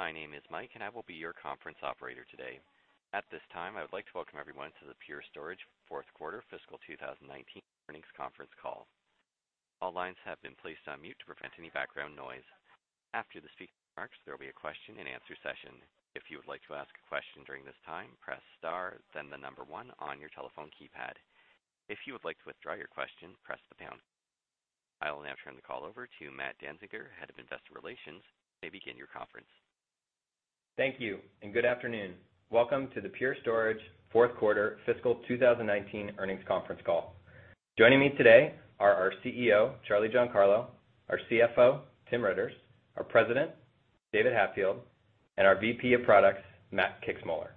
My name is Mike, and I will be your conference operator today. At this time, I would like to welcome everyone to the Pure Storage Fourth Quarter Fiscal 2019 Earnings Conference Call. All lines have been placed on mute to prevent any background noise. After the speaker remarks, there will be a question and answer session. If you would like to ask a question during this time, press star then the number one on your telephone keypad. If you would like to withdraw your question, press the pound key. I will now turn the call over to Matt Danziger, Head of Investor Relations to begin your conference. Thank you. Good afternoon. Welcome to the Pure Storage Fourth Quarter Fiscal 2019 Earnings Conference Call. Joining me today are our CEO, Charlie Giancarlo, our CFO, Tim Riitters, our President, David Hatfield, and our VP of Products, Matt Kixmoeller.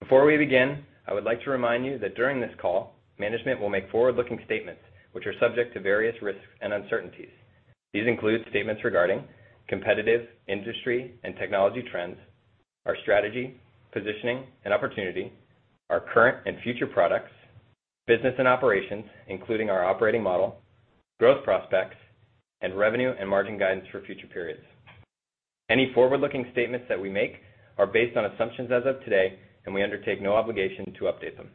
Before we begin, I would like to remind you that during this call, management will make forward-looking statements which are subject to various risks and uncertainties. These include statements regarding competitive, industry and technology trends, our strategy, positioning and opportunity, our current and future products, business and operations, including our operating model, growth prospects, and revenue and margin guidance for future periods. Any forward-looking statements that we make are based on assumptions as of today. We undertake no obligation to update them.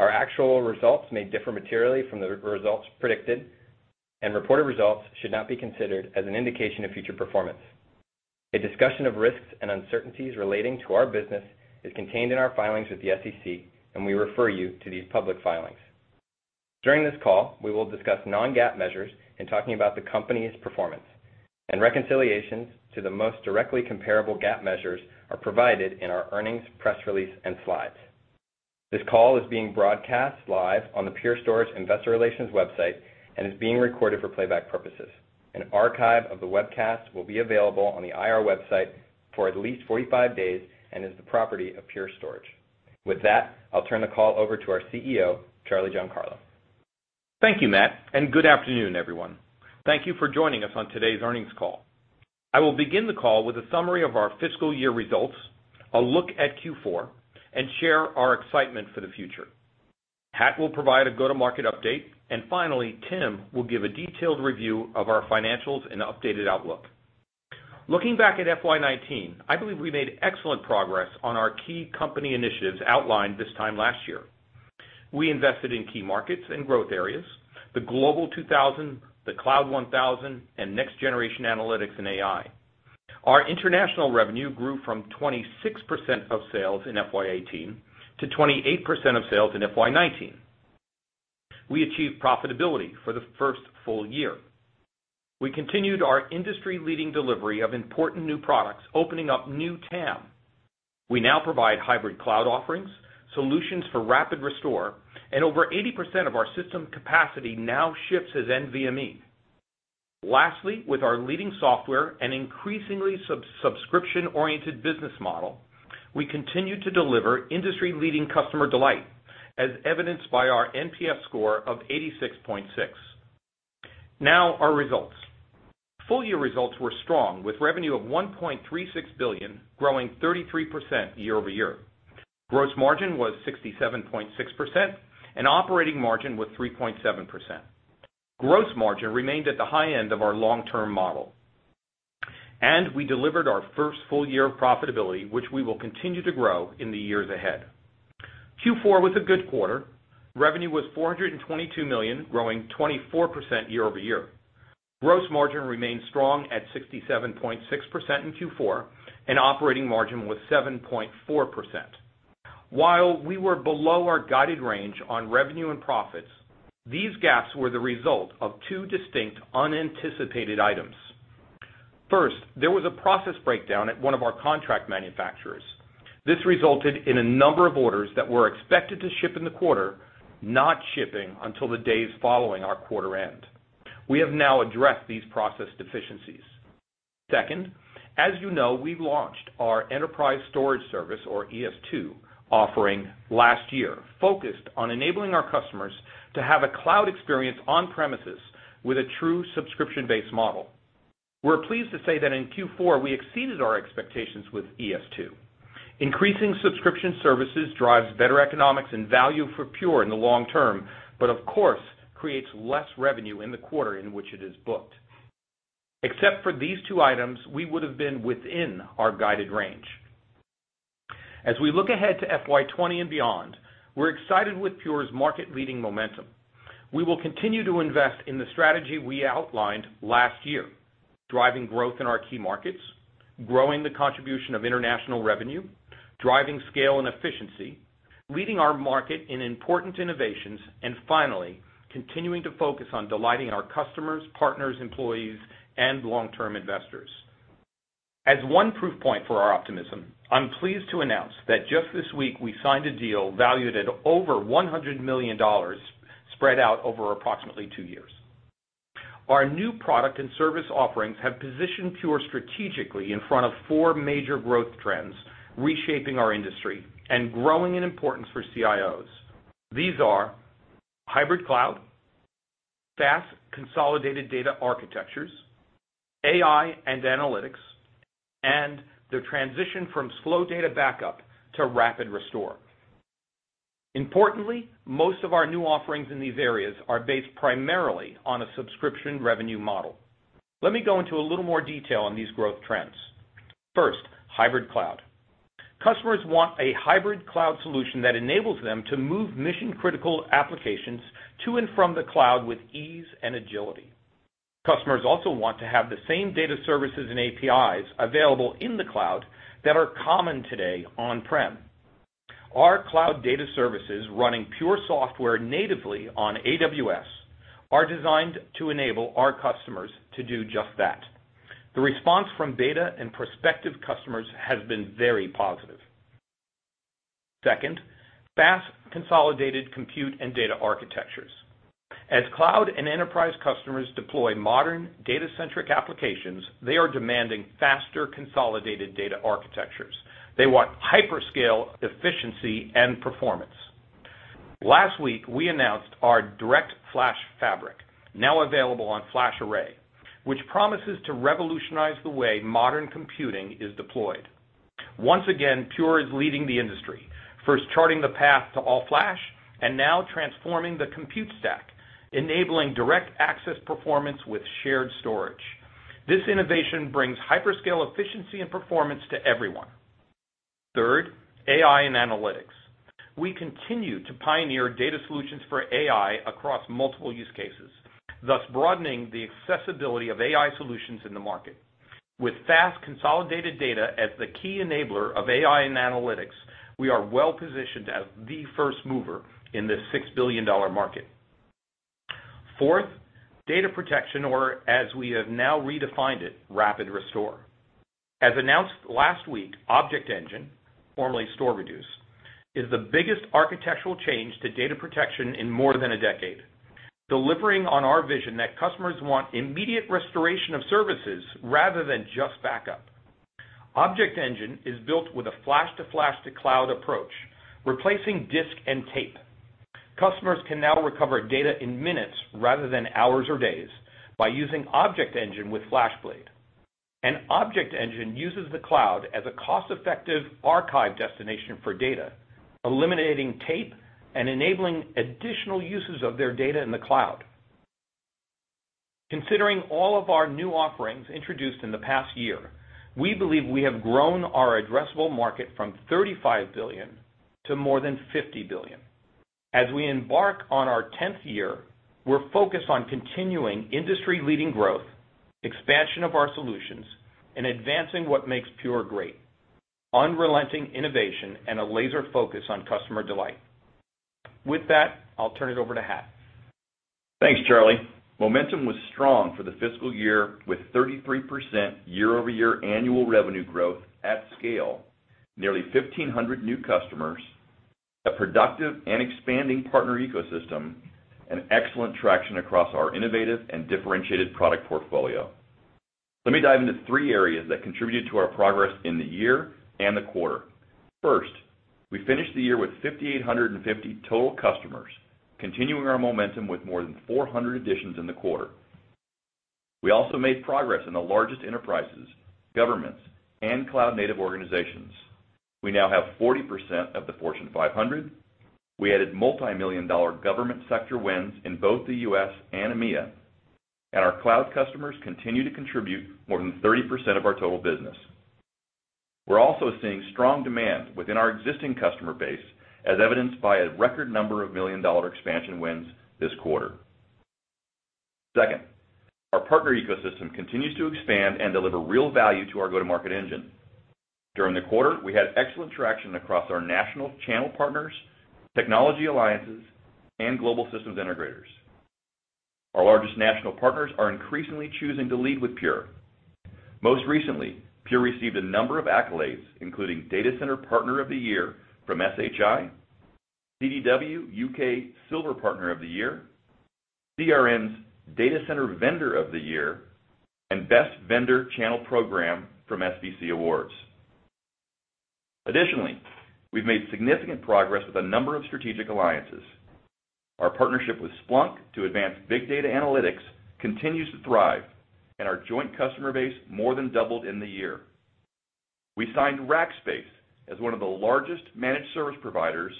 Our actual results may differ materially from the results predicted, and reported results should not be considered as an indication of future performance. A discussion of risks and uncertainties relating to our business is contained in our filings with the SEC. We refer you to these public filings. During this call, we will discuss non-GAAP measures in talking about the company's performance. Reconciliations to the most directly comparable GAAP measures are provided in our earnings press release and slides. This call is being broadcast live on the Pure Storage Investor Relations website and is being recorded for playback purposes. An archive of the webcast will be available on the IR website for at least 45 days and is the property of Pure Storage. With that, I'll turn the call over to our CEO, Charlie Giancarlo. Thank you, Matt. Good afternoon, everyone. Thank you for joining us on today's earnings call. I will begin the call with a summary of our fiscal year results, a look at Q4, and share our excitement for the future. Hat will provide a go-to-market update. Finally, Tim will give a detailed review of our financials and updated outlook. Looking back at FY 2019, I believe we made excellent progress on our key company initiatives outlined this time last year. We invested in key markets and growth areas, the Global 2000, the Cloud 1000, and next generation analytics and AI. Our international revenue grew from 26% of sales in FY 2018 to 28% of sales in FY 2019. We achieved profitability for the first full year. We continued our industry-leading delivery of important new products, opening up new TAM. We now provide hybrid cloud offerings, solutions for rapid restore, and over 80% of our system capacity now ships as NVMe. Lastly, with our leading software and increasingly subscription-oriented business model, we continue to deliver industry-leading customer delight, as evidenced by our NPS score of 86.6. Our results. Full-year results were strong, with revenue of $1.36 billion, growing 33% year-over-year. Gross margin was 67.6%, and operating margin was 3.7%. Gross margin remained at the high end of our long-term model. We delivered our first full year of profitability, which we will continue to grow in the years ahead. Q4 was a good quarter. Revenue was $422 million, growing 24% year-over-year. Gross margin remained strong at 67.6% in Q4, and operating margin was 7.4%. While we were below our guided range on revenue and profits, these gaps were the result of two distinct unanticipated items. First, there was a process breakdown at one of our contract manufacturers. This resulted in a number of orders that were expected to ship in the quarter, not shipping until the days following our quarter end. We have now addressed these process deficiencies. Second, as you know, we launched our Evergreen Storage Service or ES2 offering last year, focused on enabling our customers to have a cloud experience on premises with a true subscription-based model. We are pleased to say that in Q4, we exceeded our expectations with ES2. Increasing subscription services drives better economics and value for Pure in the long term, but of course, creates less revenue in the quarter in which it is booked. Except for these two items, we would have been within our guided range. As we look ahead to FY 2020 and beyond, we are excited with Pure's market-leading momentum. We will continue to invest in the strategy we outlined last year, driving growth in our key markets, growing the contribution of international revenue, driving scale and efficiency, leading our market in important innovations, and finally, continuing to focus on delighting our customers, partners, employees, and long-term investors. As one proof point for our optimism, I am pleased to announce that just this week, we signed a deal valued at over $100 million, spread out over approximately two years. Our new product and service offerings have positioned Pure strategically in front of four major growth trends, reshaping our industry and growing in importance for CIOs. These are hybrid cloud, SaaS consolidated data architectures, AI and analytics, and the transition from slow data backup to rapid restore. Importantly, most of our new offerings in these areas are based primarily on a subscription revenue model. Let me go into a little more detail on these growth trends. First, hybrid cloud. Customers want a hybrid cloud solution that enables them to move mission-critical applications to and from the cloud with ease and agility. Customers also want to have the same data services and APIs available in the cloud that are common today on-prem. Our Cloud Data Services running Pure software natively on AWS are designed to enable our customers to do just that. The response from data and prospective customers has been very positive. Second, fast consolidated compute and data architectures. As cloud and enterprise customers deploy modern data-centric applications, they are demanding faster consolidated data architectures. They want hyperscale efficiency and performance. Last week, we announced our DirectFlash Fabric, now available on FlashArray, which promises to revolutionize the way modern computing is deployed. Once again, Pure is leading the industry, first charting the path to all-flash and now transforming the compute stack, enabling direct access performance with shared storage. This innovation brings hyperscale efficiency and performance to everyone. Third, AI and analytics. We continue to pioneer data solutions for AI across multiple use cases, thus broadening the accessibility of AI solutions in the market. With fast consolidated data as the key enabler of AI and analytics, we are well-positioned as the first mover in this $6 billion market. Fourth, data protection or as we have now redefined it, rapid restore. As announced last week, ObjectEngine, formerly StorReduce, is the biggest architectural change to data protection in more than a decade, delivering on our vision that customers want immediate restoration of services rather than just backup. ObjectEngine is built with a flash to flash to cloud approach, replacing disk and tape. ObjectEngine uses the cloud as a cost-effective archive destination for data, eliminating tape and enabling additional uses of their data in the cloud. Considering all of our new offerings introduced in the past year, we believe we have grown our addressable market from $35 billion to more than $50 billion. As we embark on our 10th year, we're focused on continuing industry-leading growth, expansion of our solutions, and advancing what makes Pure great: unrelenting innovation and a laser focus on customer delight. With that, I'll turn it over to Hat. Thanks, Charlie. Momentum was strong for the fiscal year with 33% year-over-year annual revenue growth at scale, nearly 1,500 new customers, a productive and expanding partner ecosystem, and excellent traction across our innovative and differentiated product portfolio. Let me dive into three areas that contributed to our progress in the year and the quarter. First, we finished the year with 5,850 total customers, continuing our momentum with more than 400 additions in the quarter. We also made progress in the largest enterprises, governments, and cloud-native organizations. We now have 40% of the Fortune 500. We added multimillion-dollar government sector wins in both the U.S. and EMEA, and our cloud customers continue to contribute more than 30% of our total business. We're also seeing strong demand within our existing customer base, as evidenced by a record number of million-dollar expansion wins this quarter. Second, our partner ecosystem continues to expand and deliver real value to our go-to-market engine. During the quarter, we had excellent traction across our national channel partners, technology alliances, and Global System Integrators. Our largest national partners are increasingly choosing to lead with Pure. Most recently, Pure received a number of accolades, including Data Center Partner of the Year from SHI, CDW UK Silver Partner of the Year, CRN's Data Center Vendor of the Year, and Best Vendor Channel Program from SVC Awards. We've made significant progress with a number of strategic alliances. Our partnership with Splunk to advance big data analytics continues to thrive, and our joint customer base more than doubled in the year. We signed Rackspace Technology as one of the largest managed service providers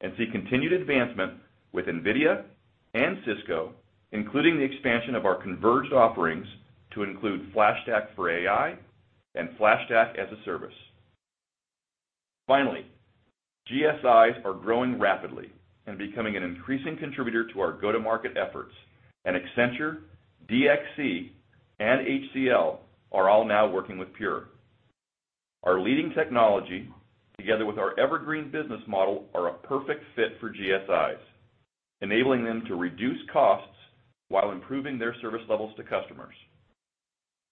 and see continued advancement with NVIDIA and Cisco, including the expansion of our converged offerings to include FlashStack for AI and FlashStack as-a-Service. Finally, GSIs are growing rapidly and becoming an increasing contributor to our go-to-market efforts, and Accenture, DXC, and HCL are all now working with Pure. Our leading technology, together with our Evergreen business model, are a perfect fit for GSIs, enabling them to reduce costs while improving their service levels to customers.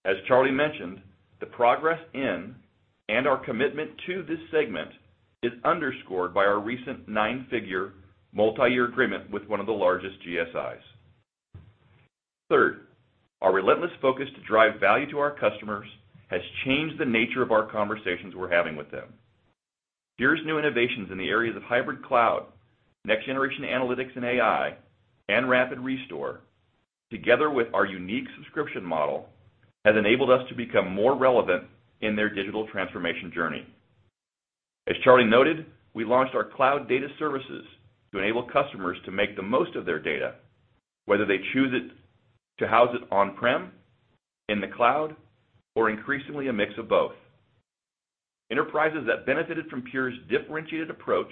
As Charlie mentioned, the progress in and our commitment to this segment is underscored by our recent nine-figure multi-year agreement with one of the largest GSIs. Third, our relentless focus to drive value to our customers has changed the nature of our conversations we're having with them. Pure's new innovations in the areas of hybrid cloud, next-generation analytics and AI, and rapid restore. Together with our unique subscription model, has enabled us to become more relevant in their digital transformation journey. As Charlie noted, we launched our Cloud Data Services to enable customers to make the most of their data, whether they choose to house it on-prem, in the cloud, or increasingly a mix of both. Enterprises that benefited from Pure's differentiated approach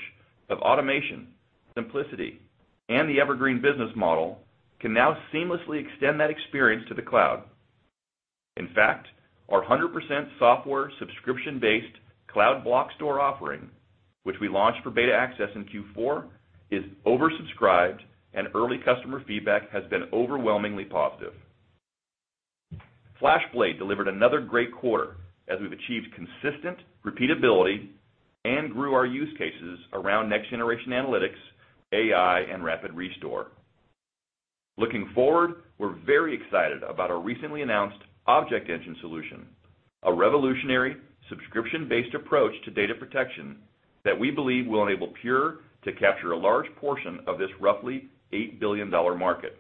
of automation, simplicity, and the Evergreen business model can now seamlessly extend that experience to the cloud. In fact, our 100% software subscription-based Cloud Block Store offering, which we launched for beta access in Q4, is oversubscribed, and early customer feedback has been overwhelmingly positive. FlashBlade delivered another great quarter as we've achieved consistent repeatability and grew our use cases around next-generation analytics, AI, and rapid restore. Looking forward, we're very excited about our recently announced ObjectEngine solution, a revolutionary subscription-based approach to data protection that we believe will enable Pure to capture a large portion of this roughly $8 billion market.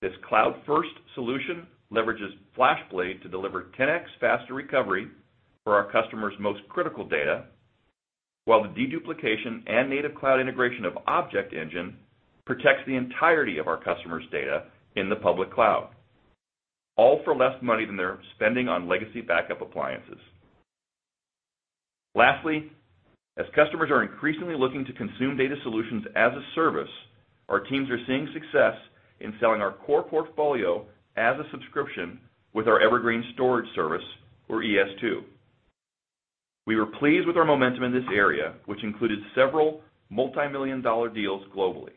This cloud-first solution leverages FlashBlade to deliver 10x faster recovery for our customers' most critical data, while the deduplication and native cloud integration of ObjectEngine protects the entirety of our customers' data in the public cloud, all for less money than they're spending on legacy backup appliances. Lastly, as customers are increasingly looking to consume data solutions as a service, our teams are seeing success in selling our core portfolio as a subscription with our Evergreen Storage Service, or ES2. We were pleased with our momentum in this area, which included several multimillion-dollar deals globally.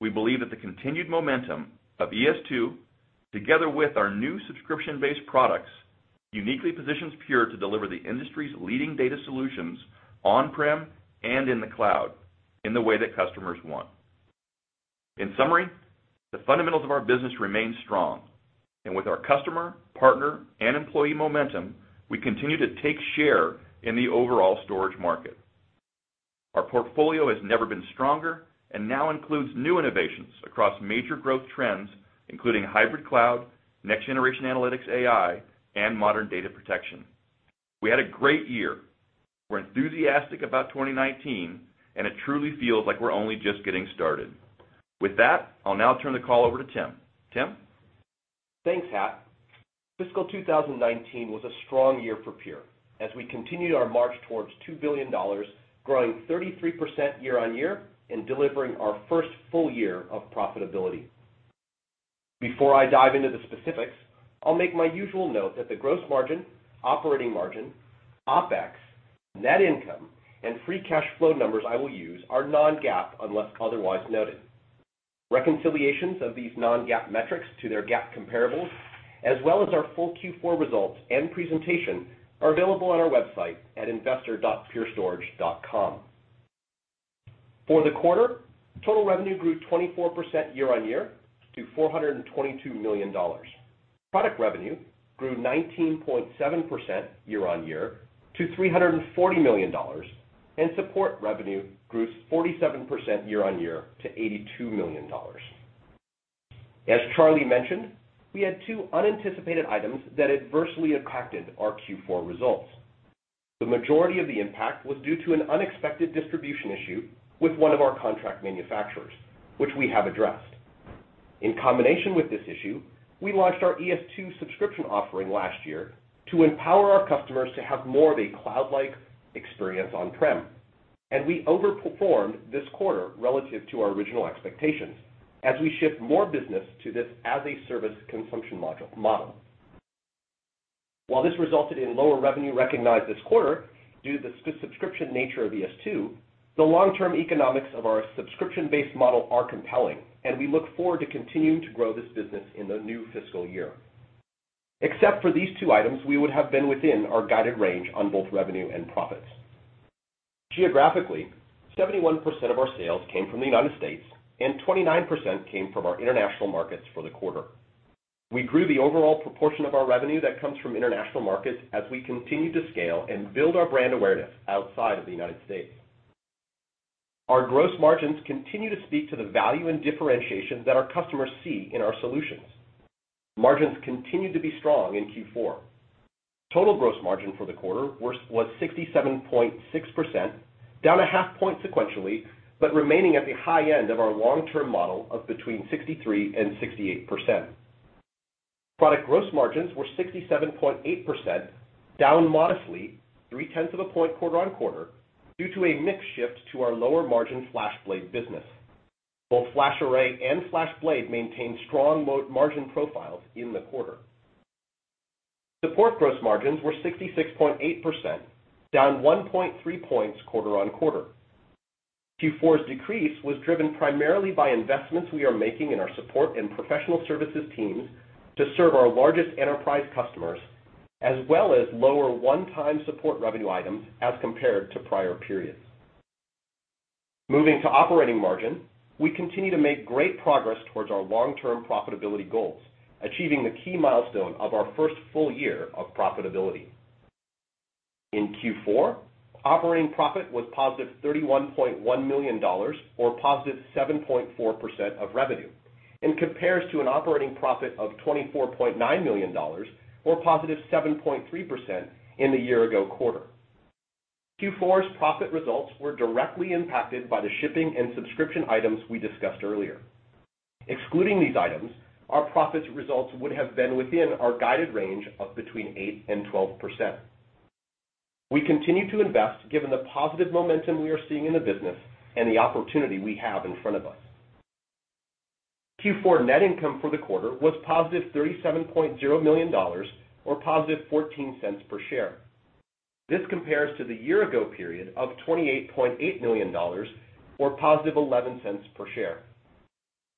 We believe that the continued momentum of ES2, together with our new subscription-based products, uniquely positions Pure to deliver the industry's leading data solutions on-prem and in the cloud in the way that customers want. In summary, the fundamentals of our business remain strong, and with our customer, partner, and employee momentum, we continue to take share in the overall storage market. Our portfolio has never been stronger and now includes new innovations across major growth trends, including hybrid cloud, next-generation analytics, AI, and modern data protection. We had a great year. We're enthusiastic about 2019, and it truly feels like we're only just getting started. With that, I'll now turn the call over to Tim. Tim? Thanks, Pat. Fiscal 2019 was a strong year for Pure as we continued our march towards $2 billion, growing 33% year-on-year and delivering our first full year of profitability. Before I dive into the specifics, I'll make my usual note that the gross margin, operating margin, OpEx, net income, and free cash flow numbers I will use are non-GAAP unless otherwise noted. Reconciliations of these non-GAAP metrics to their GAAP comparables, as well as our full Q4 results and presentation, are available on our website at investor.purestorage.com. For the quarter, total revenue grew 24% year-on-year to $422 million. Product revenue grew 19.7% year-on-year to $340 million, and support revenue grew 47% year-on-year to $82 million. As Charlie mentioned, we had two unanticipated items that adversely impacted our Q4 results. The majority of the impact was due to an unexpected distribution issue with one of our contract manufacturers, which we have addressed. In combination with this issue, we launched our ES2 subscription offering last year to empower our customers to have more of a cloud-like experience on-prem, and we overperformed this quarter relative to our original expectations as we shift more business to this as-a-service consumption model. While this resulted in lower revenue recognized this quarter due to the subscription nature of ES2, the long-term economics of our subscription-based model are compelling, and we look forward to continuing to grow this business in the new fiscal year. Except for these two items, we would have been within our guided range on both revenue and profits. Geographically, 71% of our sales came from the United States, and 29% came from our international markets for the quarter. We grew the overall proportion of our revenue that comes from international markets as we continue to scale and build our brand awareness outside of the United States. Our gross margins continue to speak to the value and differentiation that our customers see in our solutions. Margins continued to be strong in Q4. Total gross margin for the quarter was 67.6%, down a half point sequentially, but remaining at the high end of our long-term model of between 63% and 68%. Product gross margins were 67.8%, down modestly three-tenths of a point quarter-on-quarter due to a mix shift to our lower-margin FlashBlade business. Both FlashArray and FlashBlade maintained strong margin profiles in the quarter. Support gross margins were 66.8%, down 1.3 points quarter-on-quarter. Q4's decrease was driven primarily by investments we are making in our support and professional services teams to serve our largest enterprise customers, as well as lower one-time support revenue items as compared to prior periods. Moving to operating margin, we continue to make great progress towards our long-term profitability goals, achieving the key milestone of our first full year of profitability. In Q4, operating profit was positive $31.1 million, or positive 7.4% of revenue, and compares to an operating profit of $24.9 million, or positive 7.3%, in the year ago quarter. Q4's profit results were directly impacted by the shipping and subscription items we discussed earlier. Excluding these items, our profits results would have been within our guided range of between 8% and 12%. We continue to invest given the positive momentum we are seeing in the business and the opportunity we have in front of us. Q4 net income for the quarter was positive $37.0 million, or positive $0.14 per share. This compares to the year-ago period of $28.8 million, or positive $0.11 per share.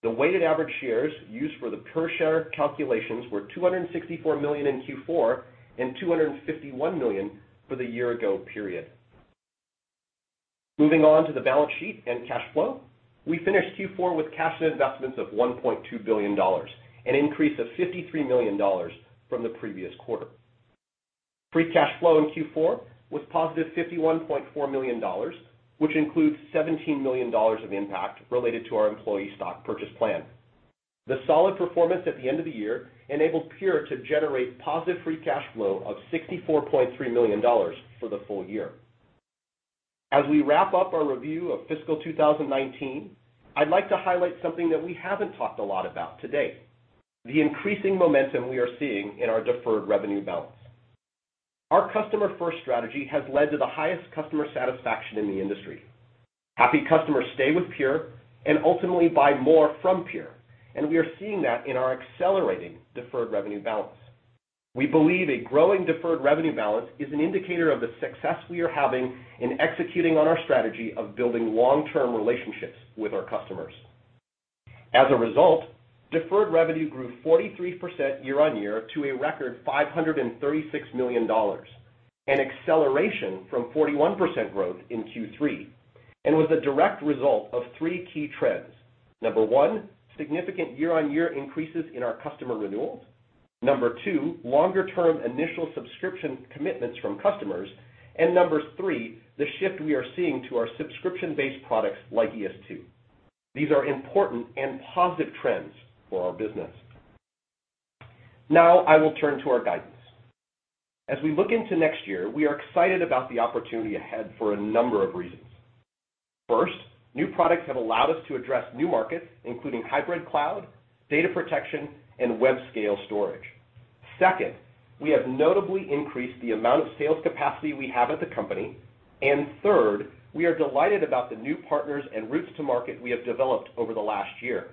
The weighted average shares used for the per share calculations were 264 million in Q4 and 251 million for the year-ago period. Moving on to the balance sheet and cash flow, we finished Q4 with cash and investments of $1.2 billion, an increase of $53 million from the previous quarter. Free cash flow in Q4 was positive $51.4 million, which includes $17 million of impact related to our employee stock purchase plan. The solid performance at the end of the year enabled Pure to generate positive free cash flow of $64.3 million for the full year. As we wrap up our review of fiscal 2019, I'd like to highlight something that we haven't talked a lot about to date, the increasing momentum we are seeing in our deferred revenue balance. Our customer first strategy has led to the highest customer satisfaction in the industry. Happy customers stay with Pure and ultimately buy more from Pure, and we are seeing that in our accelerating deferred revenue balance. We believe a growing deferred revenue balance is an indicator of the success we are having in executing on our strategy of building long-term relationships with our customers. As a result, deferred revenue grew 43% year-on-year to a record $536 million, an acceleration from 41% growth in Q3 and was a direct result of three key trends. Number 1, significant year-on-year increases in our customer renewals. Number 2, longer term initial subscription commitments from customers. Number 3, the shift we are seeing to our subscription-based products like ES2. These are important and positive trends for our business. Now I will turn to our guidance. As we look into next year, we are excited about the opportunity ahead for a number of reasons. First, new products have allowed us to address new markets, including hybrid cloud, data protection, and web scale storage. Second, we have notably increased the amount of sales capacity we have at the company. Third, we are delighted about the new partners and routes to market we have developed over the last year.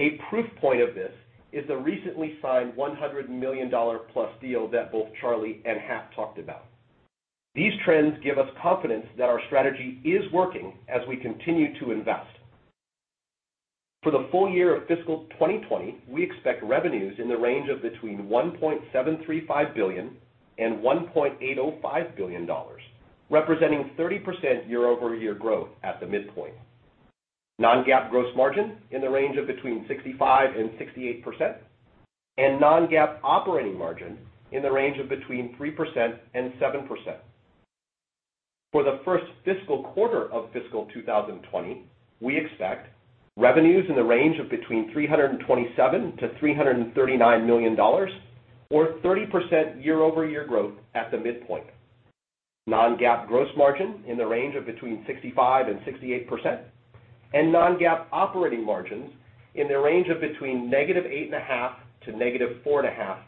A proof point of this is the recently signed $100 million plus deal that both Charlie and Hat talked about. These trends give us confidence that our strategy is working as we continue to invest. For the full year of fiscal 2020, we expect revenues in the range of between $1.735 billion and $1.805 billion, representing 30% year-over-year growth at the midpoint. Non-GAAP gross margin in the range of between 65% and 68%, and non-GAAP operating margin in the range of between 3% and 7%. For the first fiscal quarter of fiscal 2020, we expect revenues in the range of between $327 million to $339 million, or 30% year-over-year growth at the midpoint. Non-GAAP gross margin in the range of between 65% and 68%, and non-GAAP operating margins in the range of between negative 8.5% to negative 4.5%.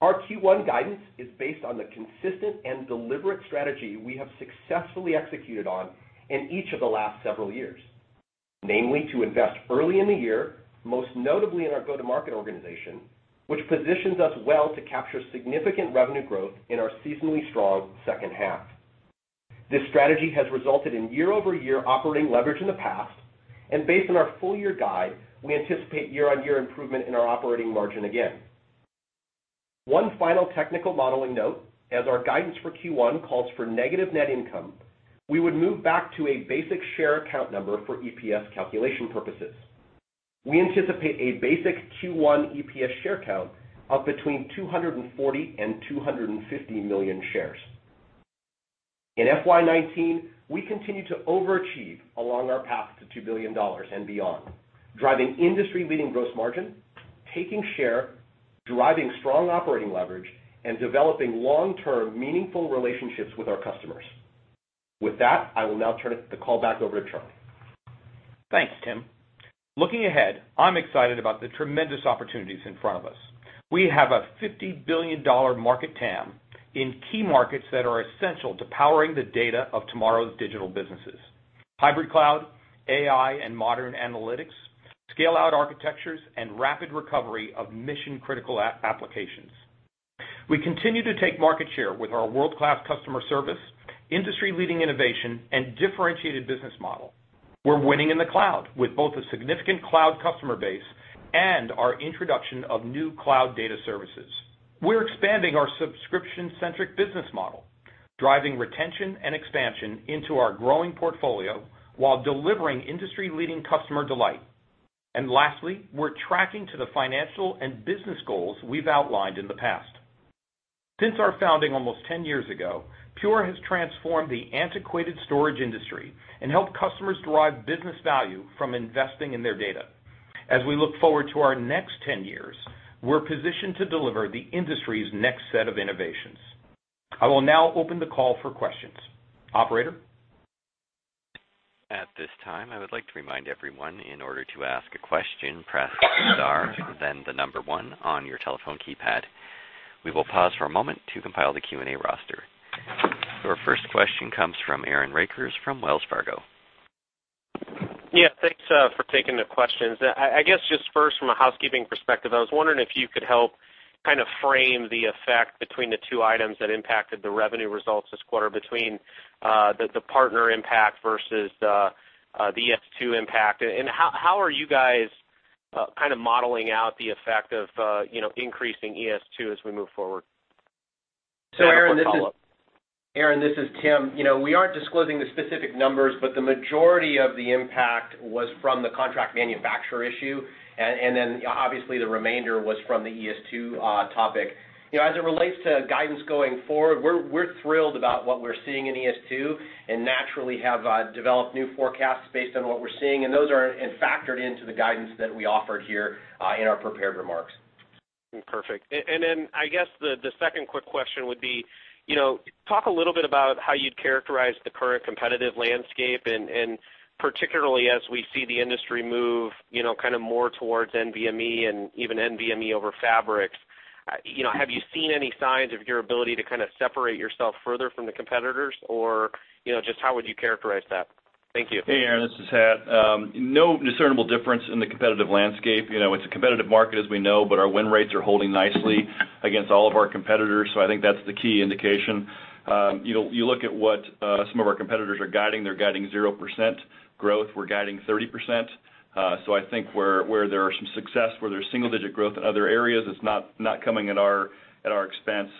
Our Q1 guidance is based on the consistent and deliberate strategy we have successfully executed on in each of the last several years, namely to invest early in the year, most notably in our go-to-market organization, which positions us well to capture significant revenue growth in our seasonally strong second half. This strategy has resulted in year-over-year operating leverage in the past, and based on our full year guide, we anticipate year-on-year improvement in our operating margin again. One final technical modeling note, as our guidance for Q1 calls for negative net income, we would move back to a basic share count number for EPS calculation purposes. We anticipate a basic Q1 EPS share count of between 240 million and 250 million shares. In FY 2019, we continue to overachieve along our path to $2 billion and beyond, driving industry-leading gross margin, taking share, driving strong operating leverage, and developing long-term meaningful relationships with our customers. With that, I will now turn the call back over to Charlie. Thanks, Tim. Looking ahead, I'm excited about the tremendous opportunities in front of us. We have a $50 billion market TAM in key markets that are essential to powering the data of tomorrow's digital businesses, hybrid cloud, AI and modern analytics, scale-out architectures, and rapid recovery of mission critical applications. We continue to take market share with our world-class customer service, industry-leading innovation, and differentiated business model. We're winning in the cloud with both a significant cloud customer base and our introduction of new Cloud Data Services. We're expanding our subscription-centric business model, driving retention and expansion into our growing portfolio while delivering industry-leading customer delight. Lastly, we're tracking to the financial and business goals we've outlined in the past. Since our founding almost 10 years ago, Pure has transformed the antiquated storage industry and helped customers derive business value from investing in their data. As we look forward to our next 10 years, we're positioned to deliver the industry's next set of innovations. I will now open the call for questions. Operator? At this time, I would like to remind everyone, in order to ask a question, press star, then the number 1 on your telephone keypad. We will pause for a moment to compile the Q&A roster. Our first question comes from Aaron Rakers from Wells Fargo. Yeah. Thanks for taking the questions. I guess just first from a housekeeping perspective, I was wondering if you could help frame the effect between the two items that impacted the revenue results this quarter between the partner impact versus the ES2 impact. How are you guys modeling out the effect of increasing ES2 as we move forward? Aaron, this is Tim. We aren't disclosing the specific numbers, but the majority of the impact was from the contract manufacturer issue. Obviously the remainder was from the ES2 topic. As it relates to guidance going forward, we're thrilled about what we're seeing in ES2, and naturally have developed new forecasts based on what we're seeing, and those are factored into the guidance that we offered here in our prepared remarks. Perfect. I guess the second quick question would be, talk a little bit about how you'd characterize the current competitive landscape, and particularly as we see the industry move more towards NVMe and even NVMe over Fabrics. Have you seen any signs of your ability to separate yourself further from the competitors or just how would you characterize that? Thank you. Hey, Aaron, this is Hat. No discernible difference in the competitive landscape. It's a competitive market, as we know, but our win rates are holding nicely against all of our competitors, so I think that's the key indication. You look at what some of our competitors are guiding, they're guiding 0% growth. We're guiding 30%. I think where there are some success, where there's single digit growth in other areas, it's not coming at our expense.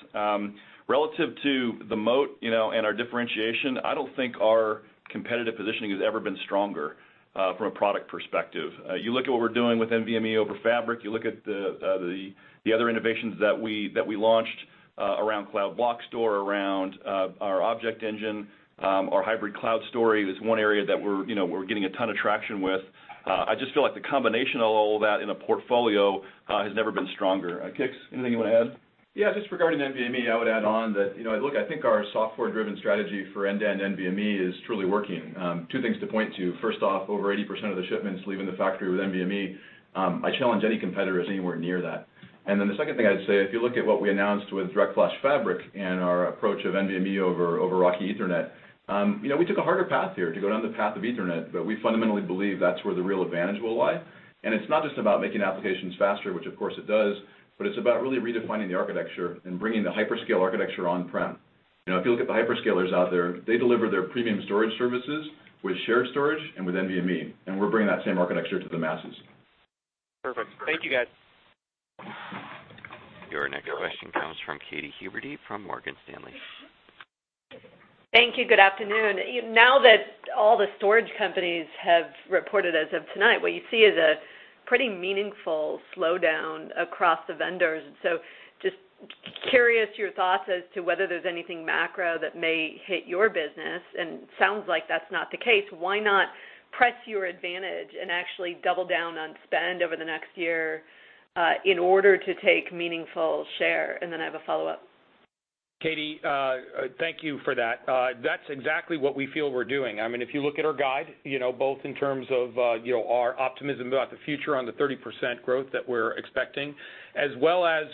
Relative to the moat and our differentiation, I don't think our competitive positioning has ever been stronger, from a product perspective. You look at what we're doing with NVMe over Fabric, you look at the other innovations that we launched around Cloud Block Store, around our ObjectEngine, our hybrid cloud story is one area that we're getting a ton of traction with. I just feel like the combination of all that in a portfolio has never been stronger. Kix, anything you want to add? Yeah, just regarding NVMe, I would add on that, I think our software-driven strategy for end-to-end NVMe is truly working. Two things to point to. First off, over 80% of the shipments leaving the factory with NVMe. I challenge any competitors anywhere near that. The second thing I'd say, if you look at what we announced with DirectFlash Fabric and our approach of NVMe over RoCE Ethernet. We took a harder path here to go down the path of Ethernet, but we fundamentally believe that's where the real advantage will lie. It's not just about making applications faster, which of course it does, but it's about really redefining the architecture and bringing the hyperscale architecture on-prem. If you look at the hyperscalers out there, they deliver their premium storage services with shared storage and with NVMe, and we're bringing that same architecture to the masses. Perfect. Thank you, guys. Your next question comes from Katy Huberty from Morgan Stanley. Thank you. Good afternoon. Now that all the storage companies have reported as of tonight, what you see is a pretty meaningful slowdown across the vendors. Just curious your thoughts as to whether there's anything macro that may hit your business, sounds like that's not the case. Why not press your advantage and actually double down on spend over the next year, in order to take meaningful share? I have a follow-up. Katy, thank you for that. That's exactly what we feel we're doing. If you look at our guide, both in terms of our optimism about the future on the 30% growth that we're expecting, as well as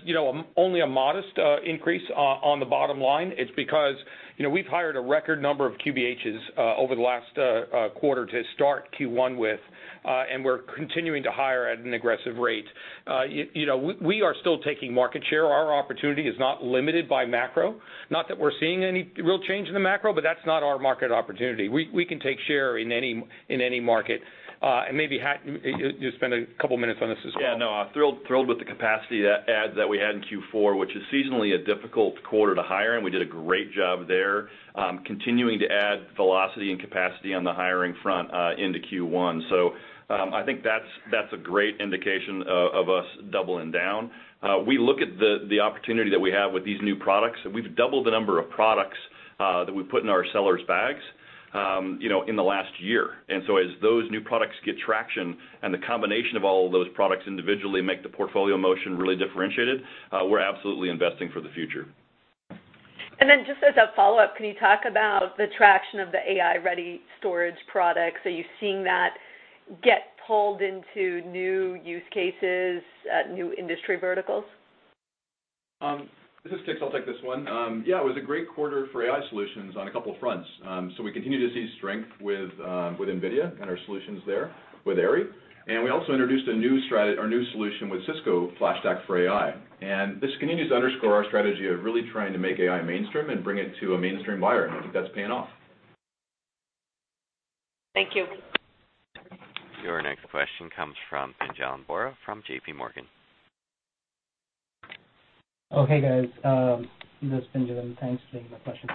only a modest increase on the bottom line. It's because we've hired a record number of QBHs over the last quarter to start Q1 with, we're continuing to hire at an aggressive rate. We are still taking market share. Our opportunity is not limited by macro. Not that we're seeing any real change in the macro, that's not our market opportunity. We can take share in any market. Maybe Hat, just spend a couple of minutes on this as well. Yeah, no, thrilled with the capacity add that we had in Q4, which is seasonally a difficult quarter to hire in. We did a great job there. Continuing to add velocity and capacity on the hiring front into Q1. I think that's a great indication of us doubling down. We look at the opportunity that we have with these new products, we've doubled the number of products that we put in our sellers' bags in the last year. As those new products get traction the combination of all of those products individually make the portfolio motion really differentiated, we're absolutely investing for the future. Just as a follow-up, can you talk about the traction of the AI-ready storage products? Are you seeing that get pulled into new use cases at new industry verticals? This is Kix. I'll take this one. Yeah, it was a great quarter for AI solutions on a couple of fronts. We continue to see strength with NVIDIA and our solutions there with AIRI. We also introduced our new solution with Cisco, FlashStack for AI. This continues to underscore our strategy of really trying to make AI mainstream and bring it to a mainstream buyer, and I think that's paying off. Thank you. Your next question comes from Pinjalim Bora from JP Morgan. Hey guys, this is Benjamin. Thanks for taking my question.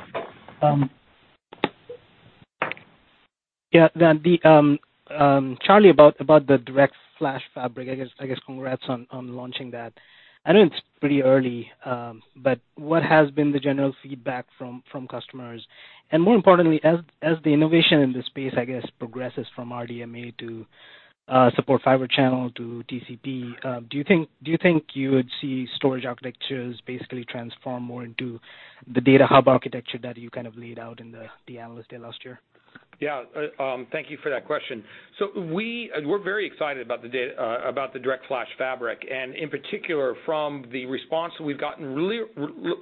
Charlie, about the DirectFlash Fabric, I guess congrats on launching that. I know it's pretty early, but what has been the general feedback from customers? More importantly, as the innovation in this space, I guess, progresses from RDMA to support fiber channel to TCP, do you think you would see storage architectures basically transform more into the data hub architecture that you laid out in the analyst day last year? Thank you for that question. We're very excited about the DirectFlash Fabric, and in particular, from the response that we've gotten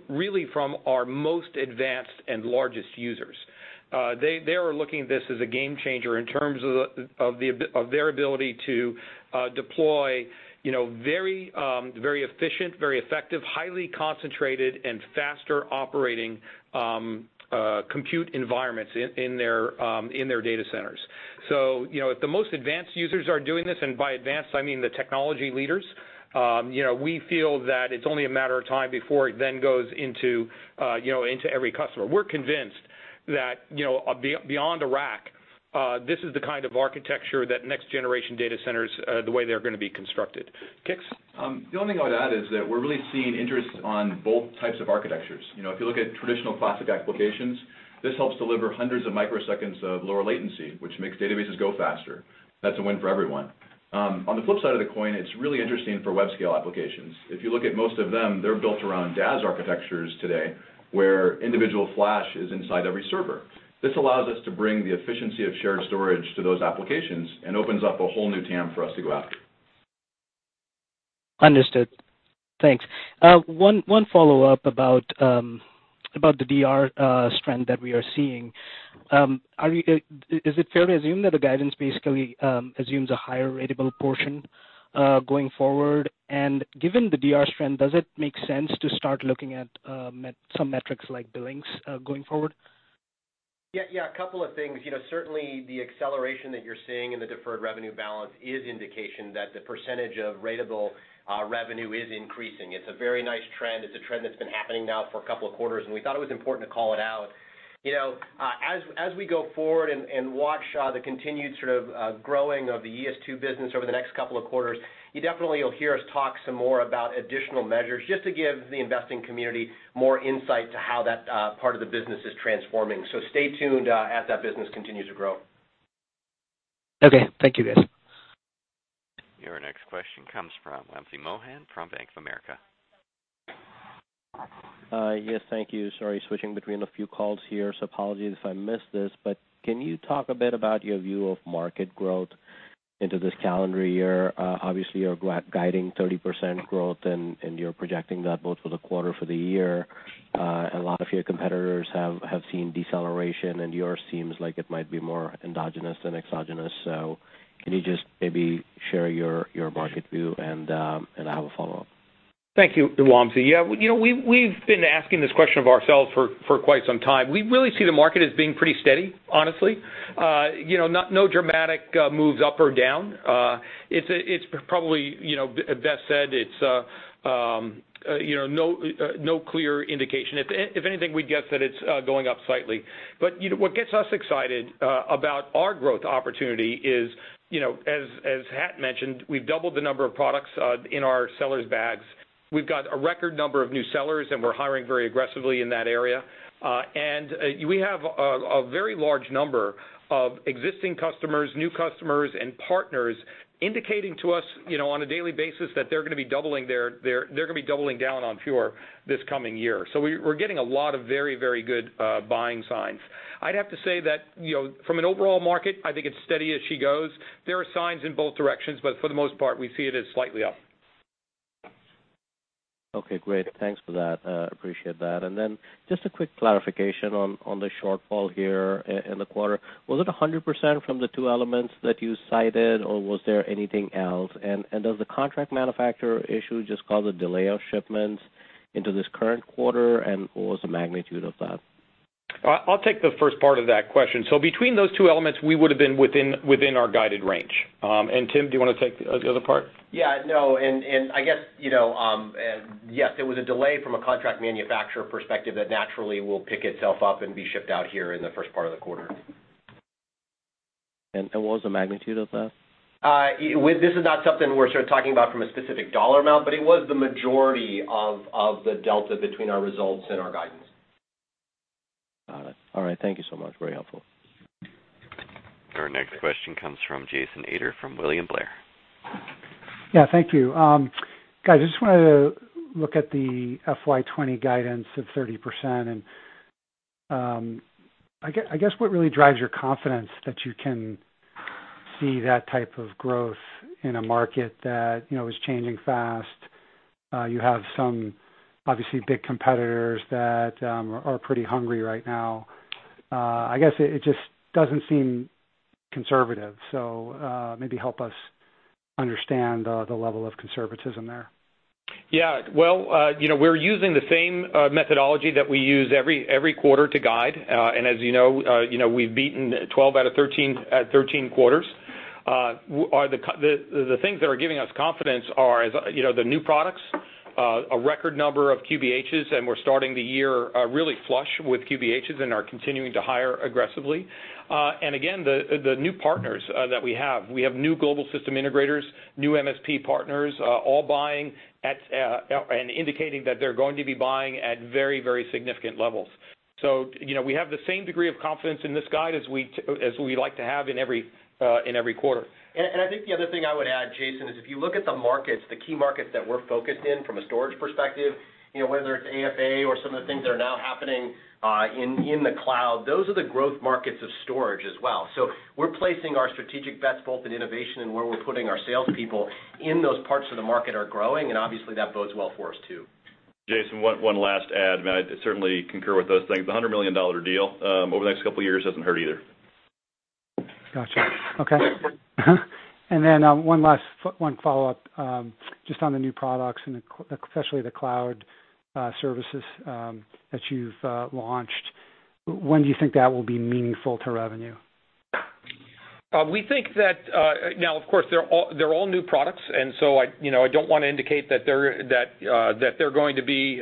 really from our most advanced and largest users. They are looking at this as a game changer in terms of their ability to deploy very efficient, very effective, highly concentrated, and faster operating compute environments in their data centers. If the most advanced users are doing this, and by advanced I mean the technology leaders, we feel that it's only a matter of time before it then goes into every customer. We're convinced that beyond a rack, this is the kind of architecture that next generation data centers, the way they're going to be constructed. Kix? The only thing I would add is that we're really seeing interest on both types of architectures. If you look at traditional classic applications, this helps deliver hundreds of microseconds of lower latency, which makes databases go faster. That's a win for everyone. On the flip side of the coin, it's really interesting for web scale applications. If you look at most of them, they're built around DAS architectures today, where individual flash is inside every server. This allows us to bring the efficiency of shared storage to those applications and opens up a whole new TAM for us to go after. Understood. Thanks. One follow-up about the DR strength that we are seeing. Is it fair to assume that the guidance basically assumes a higher ratable portion, going forward? Given the DR strength, does it make sense to start looking at some metrics like billings going forward? Yeah, a couple of things. Certainly the acceleration that you're seeing in the deferred revenue balance is indication that the percentage of ratable revenue is increasing. It's a very nice trend. It's a trend that's been happening now for a couple of quarters, and we thought it was important to call it out. As we go forward and watch the continued growing of the ES2 business over the next couple of quarters, you definitely will hear us talk some more about additional measures, just to give the investing community more insight to how that part of the business is transforming. Stay tuned as that business continues to grow. Okay. Thank you guys. Your next question comes from Wamsi Mohan from Bank of America. Yes, thank you. Sorry, switching between a few calls here, apologies if I missed this, can you talk a bit about your view of market growth into this calendar year? Obviously, you're guiding 30% growth and you're projecting that both for the quarter, for the year. A lot of your competitors have seen deceleration and yours seems like it might be more endogenous than exogenous. Can you just maybe share your market view, and I have a follow-up. Thank you, Wamsi. We've been asking this question of ourselves for quite some time. We really see the market as being pretty steady, honestly. No dramatic moves up or down. It's probably, as was said, no clear indication. If anything, we'd guess that it's going up slightly. What gets us excited about our growth opportunity is, as Hat mentioned, we've doubled the number of products in our sellers' bags. We've got a record number of new sellers, and we're hiring very aggressively in that area. We have a very large number of existing customers, new customers, and partners indicating to us on a daily basis, that they're going to be doubling down on Pure this coming year. We're getting a lot of very good buying signs. I'd have to say that from an overall market, I think it's steady as she goes. There are signs in both directions, but for the most part, we see it as slightly up. Okay, great. Thanks for that. Appreciate that. Then just a quick clarification on the shortfall here in the quarter. Was it 100% from the two elements that you cited, or was there anything else? Does the contract manufacturer issue just cause a delay of shipments into this current quarter, and what was the magnitude of that? I'll take the first part of that question. Between those two elements, we would've been within our guided range. Tim, do you want to take the other part? Yeah. No, and I guess, yes, it was a delay from a contract manufacturer perspective that naturally will pick itself up and be shipped out here in the first part of the quarter. What was the magnitude of that? This is not something we're talking about from a specific dollar amount, but it was the majority of the delta between our results and our guidance. Got it. All right. Thank you so much. Very helpful. Our next question comes from Jason Ader from William Blair. Yeah, thank you. Guys, I just wanted to look at the FY 2020 guidance of 30%, and I guess what really drives your confidence that you can see that type of growth in a market that is changing fast. You have some obviously big competitors that are pretty hungry right now. I guess it just doesn't seem conservative, so maybe help us understand the level of conservatism there. Yeah. Well, we're using the same methodology that we use every quarter to guide. As you know we've beaten 12 out of 13 quarters. The things that are giving us confidence are the new products, a record number of QBHs, and we're starting the year really flush with QBHs and are continuing to hire aggressively. Again, the new partners that we have. We have new global system integrators, new MSP partners all buying and indicating that they're going to be buying at very significant levels. We have the same degree of confidence in this guide as we like to have in every quarter. I think the other thing I would add, Jason, is if you look at the markets, the key markets that we're focused in from a storage perspective, whether it's AFA or some of the things that are now happening in the cloud, those are the growth markets of storage as well. We're placing our strategic bets both in innovation and where we're putting our salespeople in those parts of the market are growing, and obviously that bodes well for us too. Jason, one last add. I certainly concur with those things. A $100 million deal over the next couple of years doesn't hurt either. Got you. Okay. One last follow-up, just on the new products and especially the Cloud Data Services that you've launched. When do you think that will be meaningful to revenue? We think that, now, of course, they're all new products. I don't want to indicate that they're going to be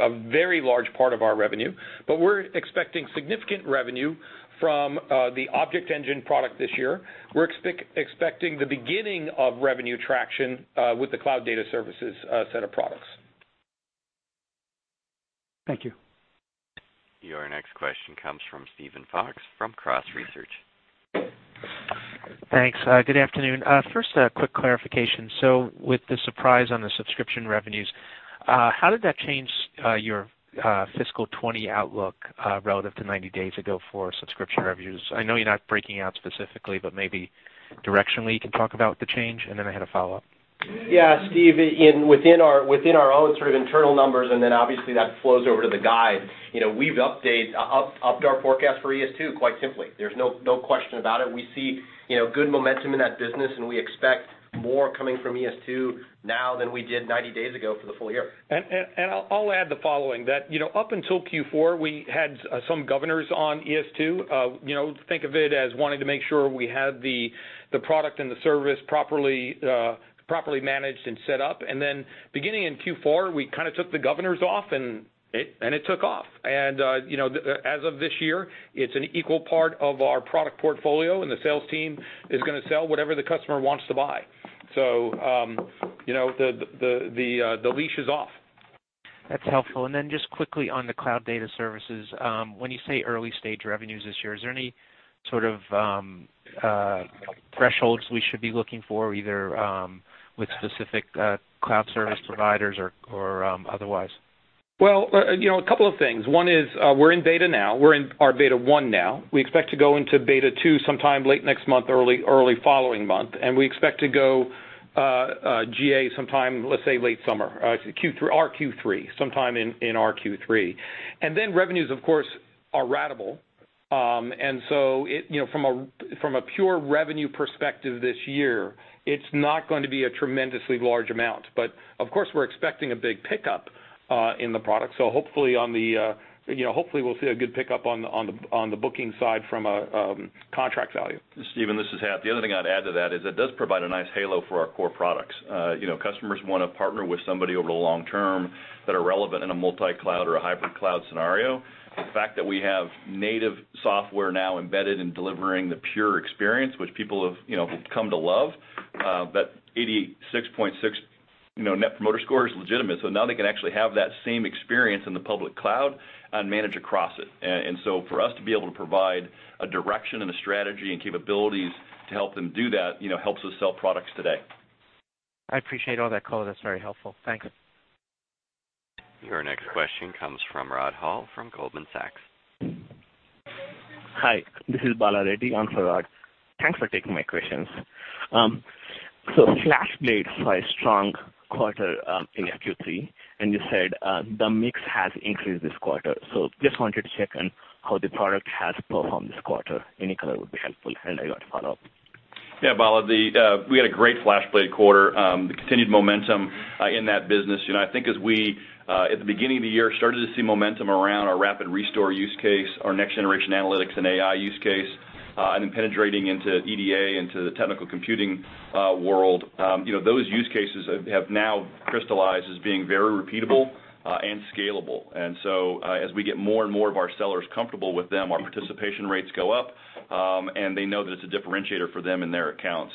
a very large part of our revenue. We're expecting significant revenue from the ObjectEngine product this year. We're expecting the beginning of revenue traction with the Cloud Data Services set of products. Thank you. Your next question comes from Steven Fox from Cross Research. Thanks. Good afternoon. First, a quick clarification. With the surprise on the subscription revenues, how did that change your fiscal 2020 outlook relative to 90 days ago for subscription revenues? I know you're not breaking out specifically, but maybe directionally you can talk about the change. Then I had a follow-up. Yeah. Steve, within our own sort of internal numbers, obviously that flows over to the guide. We've upped our forecast for ES2, quite simply. There's no question about it. We see good momentum in that business. We expect more coming from ES2 now than we did 90 days ago for the full year. I'll add the following, that up until Q4, we had some governors on ES2. Think of it as wanting to make sure we had the product and the service properly managed and set up. Beginning in Q4, we took the governors off, it took off. As of this year, it's an equal part of our product portfolio, the sales team is going to sell whatever the customer wants to buy. The leash is off. That's helpful. Just quickly on the Cloud Data Services, when you say early-stage revenues this year, is there any sort of thresholds we should be looking for, either with specific cloud service providers or otherwise? Well, a couple of things. One is, we're in beta now. We're in our beta 1 now. We expect to go into beta 2 sometime late next month, early following month. We expect to go GA sometime, let's say late summer, our Q3, sometime in our Q3. Revenues, of course, are ratable. From a pure revenue perspective this year, it's not going to be a tremendously large amount. Of course, we're expecting a big pickup in the product. Hopefully, we'll see a good pickup on the booking side from a contract value. Steven, this is Hatfield. The other thing I'd add to that is it does provide a nice halo for our core products. Customers want to partner with somebody over the long term that are relevant in a multi-cloud or a hybrid cloud scenario. The fact that we have native software now embedded in delivering the Pure experience, which people have come to love, that 86.6 net promoter score is legitimate. Now they can actually have that same experience in the public cloud and manage across it. For us to be able to provide a direction and a strategy and capabilities to help them do that, helps us sell products today. I appreciate all that color. That's very helpful. Thanks. Your next question comes from Rod Hall from Goldman Sachs. Hi. This is Bala Reddy on for Rod. Thanks for taking my questions. FlashBlade saw a strong quarter in Q3, and you said the mix has increased this quarter. Just wanted to check on how the product has performed this quarter. Any color would be helpful, and I got a follow-up. Yeah, Bala. We had a great FlashBlade quarter. The continued momentum in that business. I think as we, at the beginning of the year, started to see momentum around our rapid restore use case, our next-generation analytics and AI use case, and then penetrating into EDA, into the technical computing world. Those use cases have now crystallized as being very repeatable and scalable. As we get more and more of our sellers comfortable with them, our participation rates go up, and they know that it's a differentiator for them in their accounts.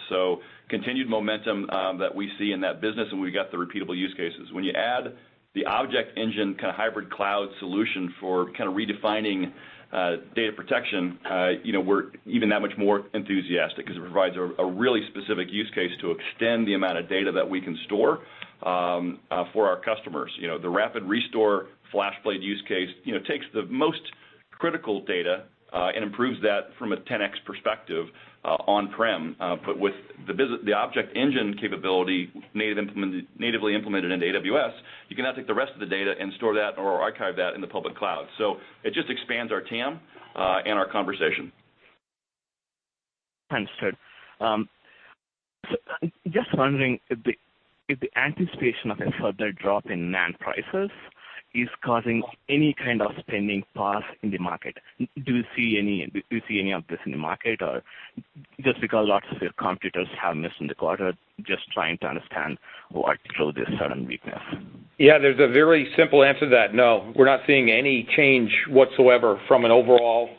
Continued momentum that we see in that business, and we've got the repeatable use cases. When you add the ObjectEngine, kind of hybrid cloud solution for redefining data protection, we're even that much more enthusiastic because it provides a really specific use case to extend the amount of data that we can store for our customers. The rapid restore FlashBlade use case takes the most critical data and improves that from a 10x perspective on-prem. With the ObjectEngine capability natively implemented into AWS, you can now take the rest of the data and store that or archive that in the public cloud. It just expands our TAM and our conversation. Understood. Just wondering if the anticipation of a further drop in NAND prices is causing any kind of spending pause in the market. Do you see any of this in the market, or just because lots of your competitors have missed in the quarter, just trying to understand what drove this sudden weakness. There's a very simple answer to that. No, we're not seeing any change whatsoever from an overall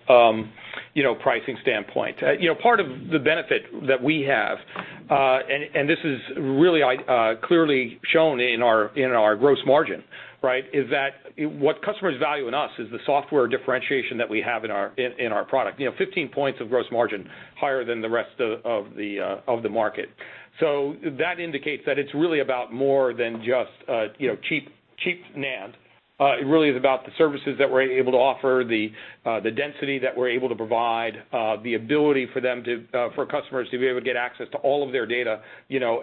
pricing standpoint. Part of the benefit that we have, and this is really clearly shown in our gross margin, is that what customers value in us is the software differentiation that we have in our product. 15 points of gross margin higher than the rest of the market. That indicates that it's really about more than just cheap NAND. It really is about the services that we're able to offer, the density that we're able to provide, the ability for customers to be able to get access to all of their data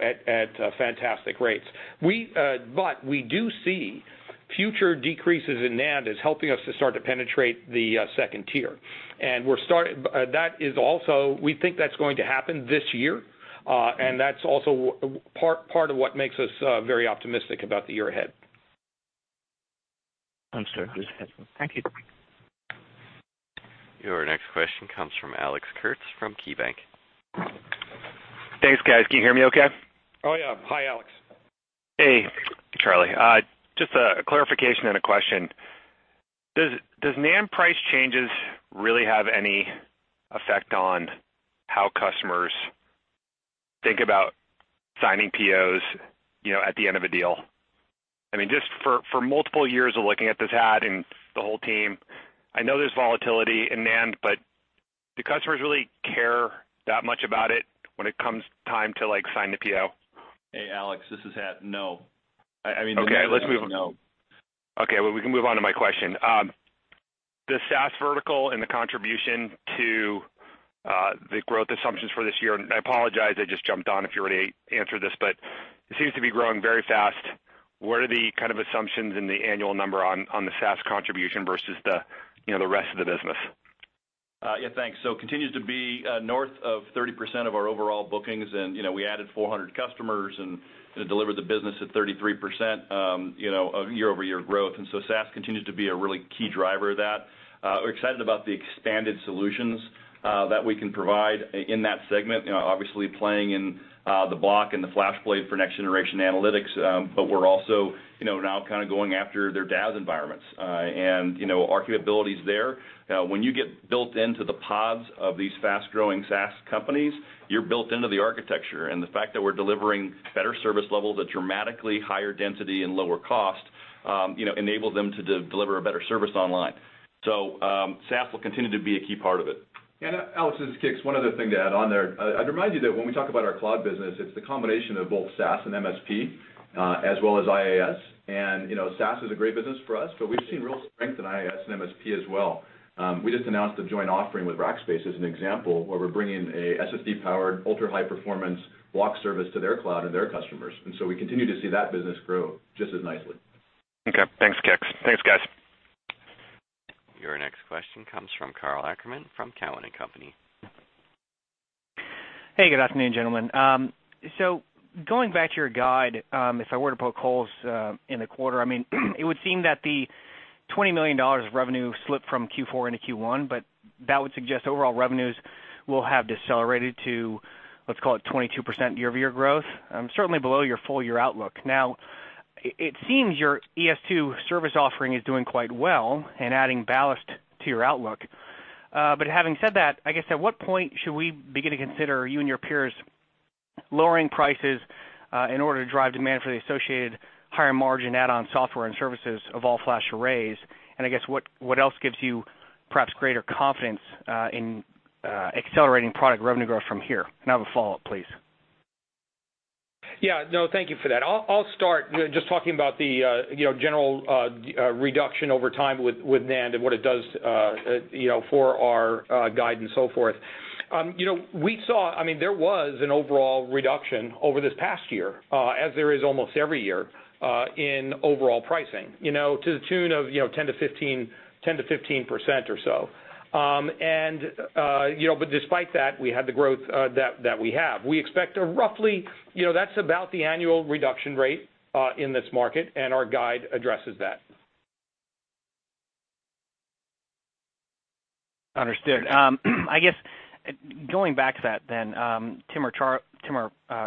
at fantastic rates. We do see future decreases in NAND is helping us to start to penetrate the 2nd tier. We think that's going to happen this year, that's also part of what makes us very optimistic about the year ahead. Understood. Thank you. Your next question comes from Alex Kurtz from KeyBanc. Thanks, guys. Can you hear me okay? Oh, yeah. Hi, Alex. Hey, Charlie. Just a clarification and a question. Does NAND price changes really have any effect on how customers think about signing POs at the end of a deal? Just for multiple years of looking at this, Hat, and the whole team, I know there's volatility in NAND, but do customers really care that much about it when it comes time to sign the PO? Hey, Alex, this is Hat. No. Okay. We can move on to my question. The SaaS vertical and the contribution to the growth assumptions for this year, and I apologize, I just jumped on if you already answered this, but it seems to be growing very fast. What are the kind of assumptions in the annual number on the SaaS contribution versus the rest of the business? Yeah, thanks. Continues to be north of 30% of our overall bookings, and we added 400 customers, and it delivered the business at 33% of year-over-year growth. SaaS continues to be a really key driver of that. We're excited about the expanded solutions that we can provide in that segment, obviously playing in the Block and the FlashBlade for next-generation analytics. We're also now going after their DAS environments. Our capabilities there, when you get built into the pods of these fast-growing SaaS companies, you're built into the architecture. The fact that we're delivering better service levels at dramatically higher density and lower cost enables them to deliver a better service online. SaaS will continue to be a key part of it. Alex, this is Kix. One other thing to add on there. I'd remind you that when we talk about our cloud business, it's the combination of both SaaS and MSP, as well as IaaS. SaaS is a great business for us, but we've seen real strength in IaaS and MSP as well. We just announced a joint offering with Rackspace as an example, where we're bringing a SSD-powered, ultra-high performance block service to their cloud and their customers. We continue to see that business grow just as nicely. Okay. Thanks, Kix. Thanks, guys. Your next question comes from Karl Ackerman from Cowen and Company. Hey, good afternoon, gentlemen. Going back to your guide, if I were to poke holes in the quarter, it would seem that the $20 million of revenue slipped from Q4 into Q1, that would suggest overall revenues will have decelerated to, let's call it 22% year-over-year growth. Certainly below your full-year outlook. It seems your ES2 service offering is doing quite well and adding ballast to your outlook. Having said that, I guess at what point should we begin to consider you and your peers lowering prices in order to drive demand for the associated higher margin add-on software and services of all-flash arrays? I guess what else gives you perhaps greater confidence in accelerating product revenue growth from here? I have a follow-up, please. Yeah, no, thank you for that. I'll start just talking about the general reduction over time with NAND and what it does for our guide and so forth. There was an overall reduction over this past year, as there is almost every year, in overall pricing to the tune of 10%-15% or so. Despite that, we had the growth that we have. That's about the annual reduction rate in this market, and our guide addresses that. Understood. I guess going back to that, Tim or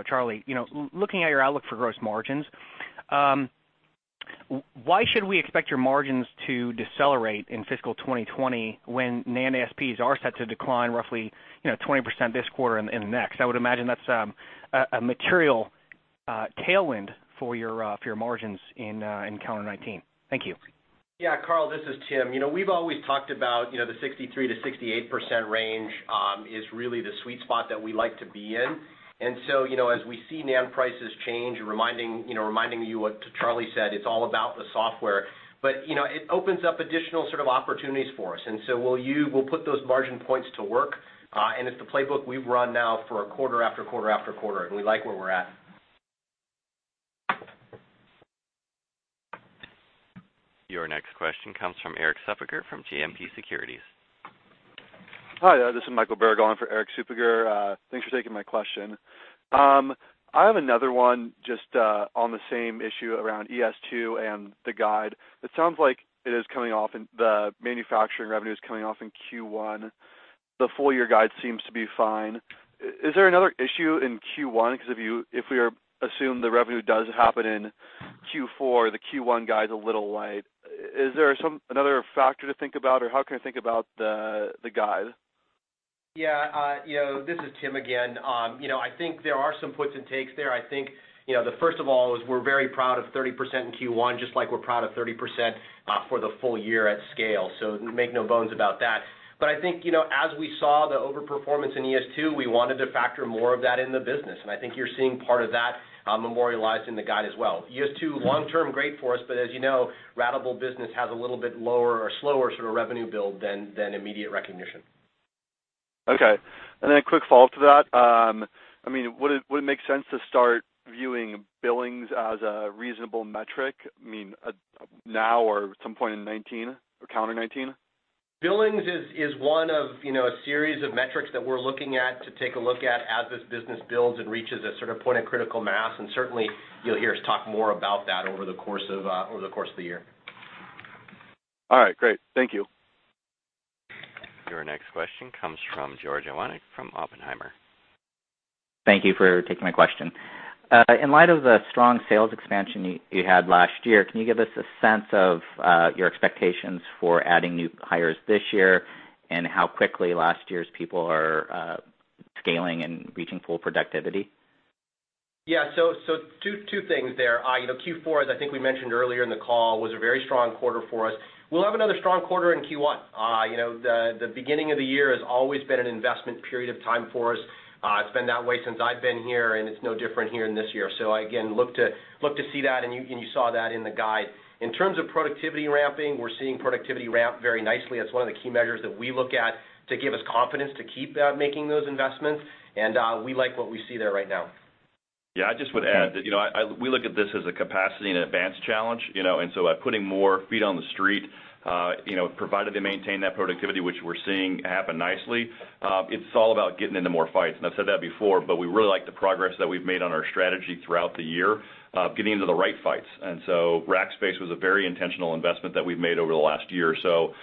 Charlie, looking at your outlook for gross margins, why should we expect your margins to decelerate in fiscal 2020 when NAND ASPs are set to decline roughly 20% this quarter and next? I would imagine that's a material tailwind for your margins in calendar 2019. Thank you. Yeah, Karl, this is Tim. We've always talked about the 63%-68% range is really the sweet spot that we like to be in. As we see NAND prices change, reminding you what Charlie said, it's all about the software. It opens up additional sort of opportunities for us. We'll put those margin points to work, it's the playbook we've run now for quarter, after quarter, after quarter, we like where we're at. Your next question comes from Erik Suppiger from JMP Securities. Hi, this is Michael Berg on for Erik Suppiger. Thanks for taking my question. I have another one just on the same issue around ES2 and the guide. It sounds like the manufacturing revenue is coming off in Q1. The full-year guide seems to be fine. Is there another issue in Q1? Because if we assume the revenue does happen in Q4, the Q1 guide's a little light. Is there another factor to think about, or how can I think about the guide? This is Tim again. I think there are some puts and takes there. I think, first of all, is we're very proud of 30% in Q1, just like we're proud of 30% for the full year at scale. Make no bones about that. I think, as we saw the over-performance in ES2, we wanted to factor more of that in the business, and I think you're seeing part of that memorialized in the guide as well. ES2, long-term, great for us, but as you know, ratable business has a little bit lower or slower sort of revenue build than immediate recognition. Okay. A quick follow-up to that. Would it make sense to start viewing billings as a reasonable metric? Now or at some point in 2019 or calendar 2019? Billings is one of a series of metrics that we're looking at to take a look at as this business builds and reaches a sort of point of critical mass, certainly you'll hear us talk more about that over the course of the year. All right, great. Thank you. Your next question comes from George Iwanyc from Oppenheimer. Thank you for taking my question. In light of the strong sales expansion you had last year, can you give us a sense of your expectations for adding new hires this year and how quickly last year's people are scaling and reaching full productivity? Yeah. Two things there. Q4, as I think we mentioned earlier in the call, was a very strong quarter for us. We'll have another strong quarter in Q1. The beginning of the year has always been an investment period of time for us. It's been that way since I've been here, and it's no different here in this year. Again, look to see that, and you saw that in the guide. In terms of productivity ramping, we're seeing productivity ramp very nicely. That's one of the key measures that we look at to give us confidence to keep making those investments, and we like what we see there right now. Yeah, I just would add that we look at this as a capacity and advance challenge. By putting more feet on the street, provided they maintain that productivity, which we're seeing happen nicely, it's all about getting into more fights. I've said that before, but we really like the progress that we've made on our strategy throughout the year of getting into the right fights. Rackspace was a very intentional investment that we've made over the last year or so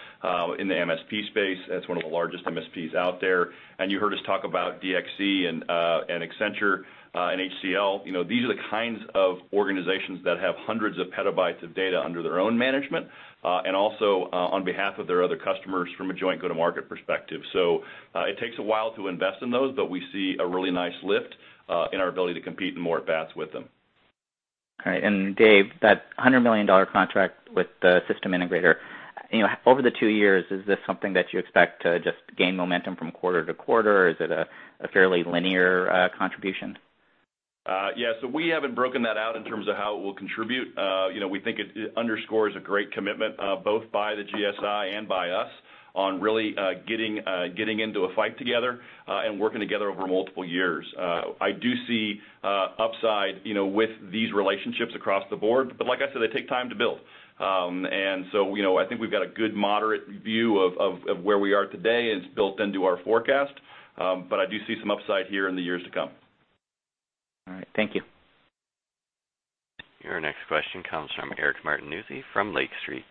in the MSP space. That's one of the largest MSPs out there. You heard us talk about DXC and Accenture and HCL. These are the kinds of organizations that have hundreds of petabytes of data under their own management, and also on behalf of their other customers from a joint go-to-market perspective. It takes a while to invest in those, but we see a really nice lift in our ability to compete more at bats with them. All right. Dave, that $100 million contract with the system integrator, over the two years, is this something that you expect to just gain momentum from quarter to quarter, or is it a fairly linear contribution? Yeah. We haven't broken that out in terms of how it will contribute. We think it underscores a great commitment, both by the GSI and by us, on really getting into a fight together and working together over multiple years. I do see upside with these relationships across the board, but like I said, they take time to build. I think we've got a good moderate view of where we are today, and it's built into our forecast. I do see some upside here in the years to come. All right. Thank you. Your next question comes from Eric Martinuzzi from Lake Street.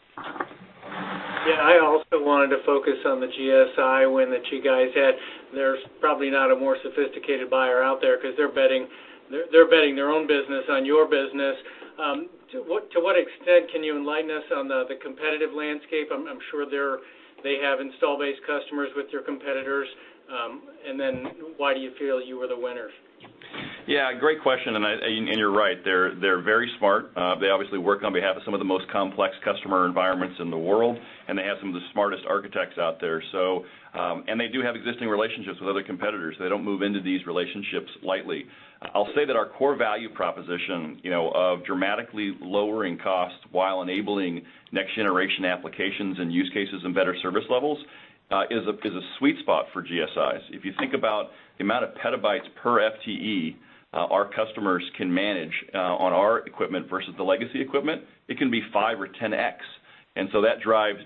Yeah, I also wanted to focus on the GSI win that you guys had. There's probably not a more sophisticated buyer out there because they're betting their own business on your business. To what extent can you enlighten us on the competitive landscape? I'm sure they have install-based customers with your competitors. Why do you feel you were the winners? Yeah, great question, and you're right. They're very smart. They obviously work on behalf of some of the most complex customer environments in the world, and they have some of the smartest architects out there. They do have existing relationships with other competitors. They don't move into these relationships lightly. I'll say that our core value proposition of dramatically lowering costs while enabling next-generation applications and use cases and better service levels is a sweet spot for GSIs. If you think about the amount of petabytes per FTE our customers can manage on our equipment versus the legacy equipment, it can be five or 10x. That drives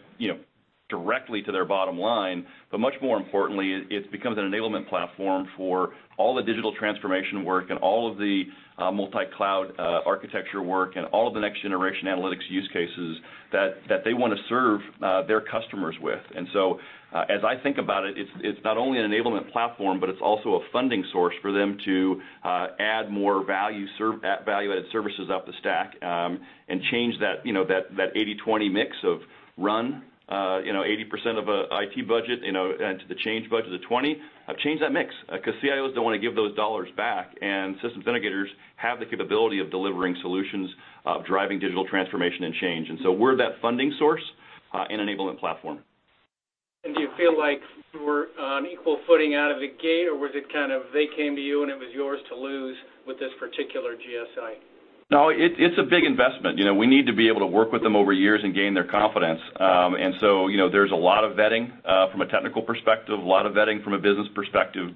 directly to their bottom line. Much more importantly, it becomes an enablement platform for all the digital transformation work and all of the multi-cloud architecture work and all of the next-generation analytics use cases that they want to serve their customers with. As I think about it's not only an enablement platform, but it's also a funding source for them to add more value-added services up the stack and change that 80/20 mix of run 80% of a IT budget and to the change budget of 20, change that mix. Because CIOs don't want to give those dollars back, systems integrators have the capability of delivering solutions, driving digital transformation and change. We're that funding source and enablement platform. Do you feel like you were on equal footing out of the gate, or was it kind of they came to you, and it was yours to lose with this particular GSI? No, it's a big investment. We need to be able to work with them over years and gain their confidence. There's a lot of vetting from a technical perspective, a lot of vetting from a business perspective.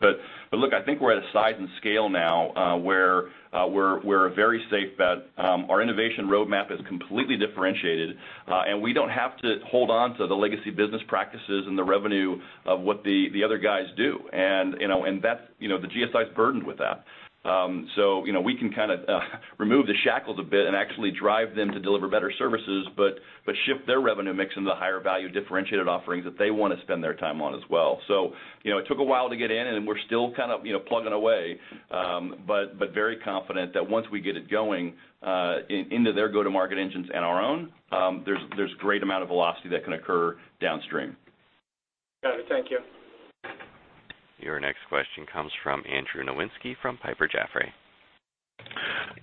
Look, I think we're at a size and scale now where we're a very safe bet. Our innovation roadmap is completely differentiated, and we don't have to hold on to the legacy business practices and the revenue of what the other guys do. The GSI is burdened with that. We can remove the shackles a bit and actually drive them to deliver better services, but shift their revenue mix into the higher value differentiated offerings that they want to spend their time on as well. It took a while to get in, and we're still plugging away, but very confident that once we get it going into their go-to-market engines and our own, there's great amount of velocity that can occur downstream. Got it. Thank you. Your next question comes from Andrew Nowinski from Piper Jaffray.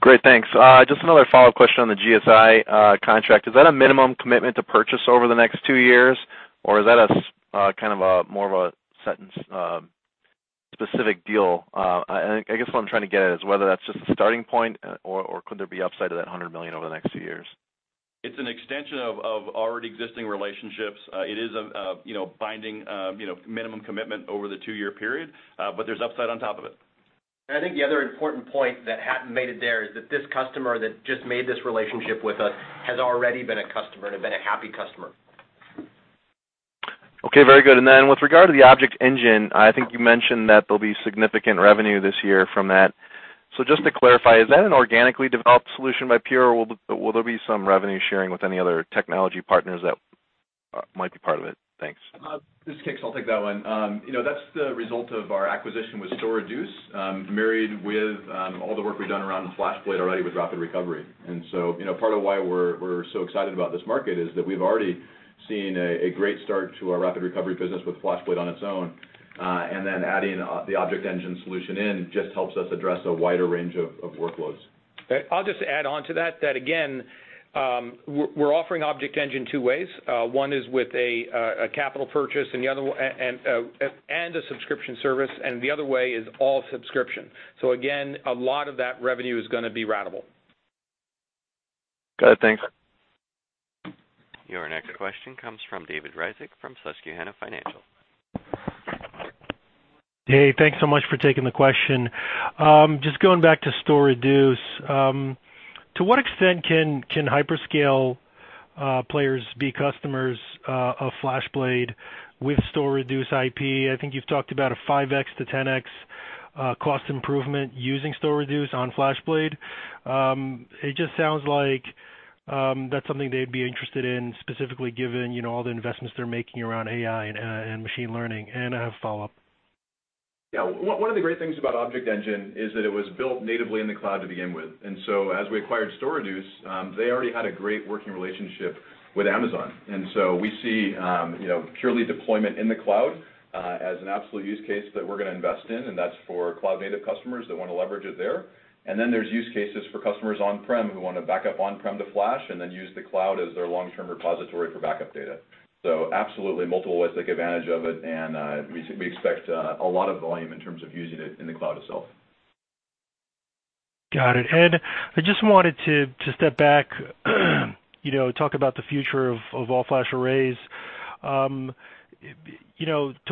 Great. Thanks. Just another follow-up question on the GSI contract. Is that a minimum commitment to purchase over the next two years, or is that more of a site-specific deal? I guess what I'm trying to get at is whether that's just a starting point or could there be upside to that $100 million over the next few years? It's an extension of already existing relationships. It is a binding minimum commitment over the two-year period, there's upside on top of it. I think the other important point that Hatfield made it there is that this customer that just made this relationship with us has already been a customer and have been a happy customer. Okay, very good. With regard to the ObjectEngine, I think you mentioned that there'll be significant revenue this year from that. Just to clarify, is that an organically developed solution by Pure, or will there be some revenue sharing with any other technology partners that might be part of it? Thanks. This is Kix. I'll take that one. That's the result of our acquisition with StorReduce, married with all the work we've done around FlashBlade already with Rapid Recovery. Part of why we're so excited about this market is that we've already seen a great start to our Rapid Recovery business with FlashBlade on its own. Adding the ObjectEngine solution in just helps us address a wider range of workloads. I'll just add on to that again, we're offering ObjectEngine two ways. One is with a capital purchase and a subscription service, and the other way is all subscription. Again, a lot of that revenue is going to be ratable. Got it. Thanks. Your next question comes from David Ryzhik from Susquehanna Financial Group. Hey, thanks so much for taking the question. Just going back to StorReduce, to what extent can hyperscale players be customers of FlashBlade with StorReduce IP? I think you've talked about a 5x to 10x cost improvement using StorReduce on FlashBlade. It just sounds like that's something they'd be interested in specifically given all the investments they're making around AI and machine learning. I have a follow-up. Yeah. One of the great things about ObjectEngine is that it was built natively in the cloud to begin with. As we acquired StorReduce, they already had a great working relationship with Amazon. We see purely deployment in the cloud as an absolute use case that we're going to invest in, and that's for cloud-native customers that want to leverage it there. Then there's use cases for customers on-prem who want to back up on-prem to flash and then use the cloud as their long-term repository for backup data. Absolutely multiple ways to take advantage of it, and we expect a lot of volume in terms of using it in the cloud itself. Got it. I just wanted to step back, talk about the future of all-flash arrays. To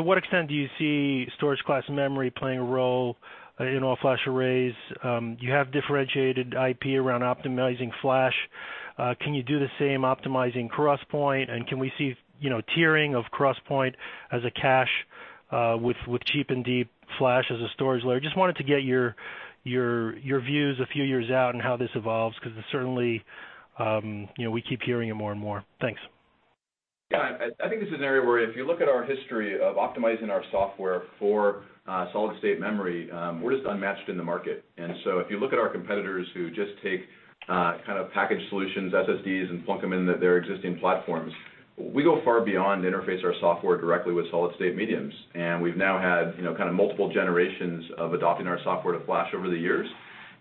what extent do you see storage class memory playing a role in all-flash arrays? You have differentiated IP around optimizing flash. Can you do the same optimizing 3D XPoint, and can we see tiering of 3D XPoint as a cache with cheap and deep flash as a storage layer? Just wanted to get your views a few years out and how this evolves because certainly, we keep hearing it more and more. Thanks. Yeah. I think this is an area where if you look at our history of optimizing our software for solid-state memory, we're just unmatched in the market. If you look at our competitors who just take packaged solutions, SSDs, and plunk them into their existing platforms, we go far beyond interface our software directly with solid-state mediums. We've now had multiple generations of adopting our software to flash over the years.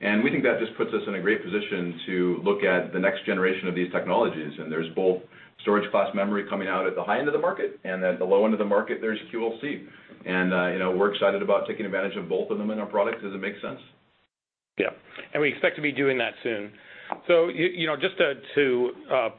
We think that just puts us in a great position to look at the next generation of these technologies. There's both storage class memory coming out at the high end of the market, and at the low end of the market, there's QLC. We're excited about taking advantage of both of them in our products as it makes sense. Yeah. We expect to be doing that soon. Just to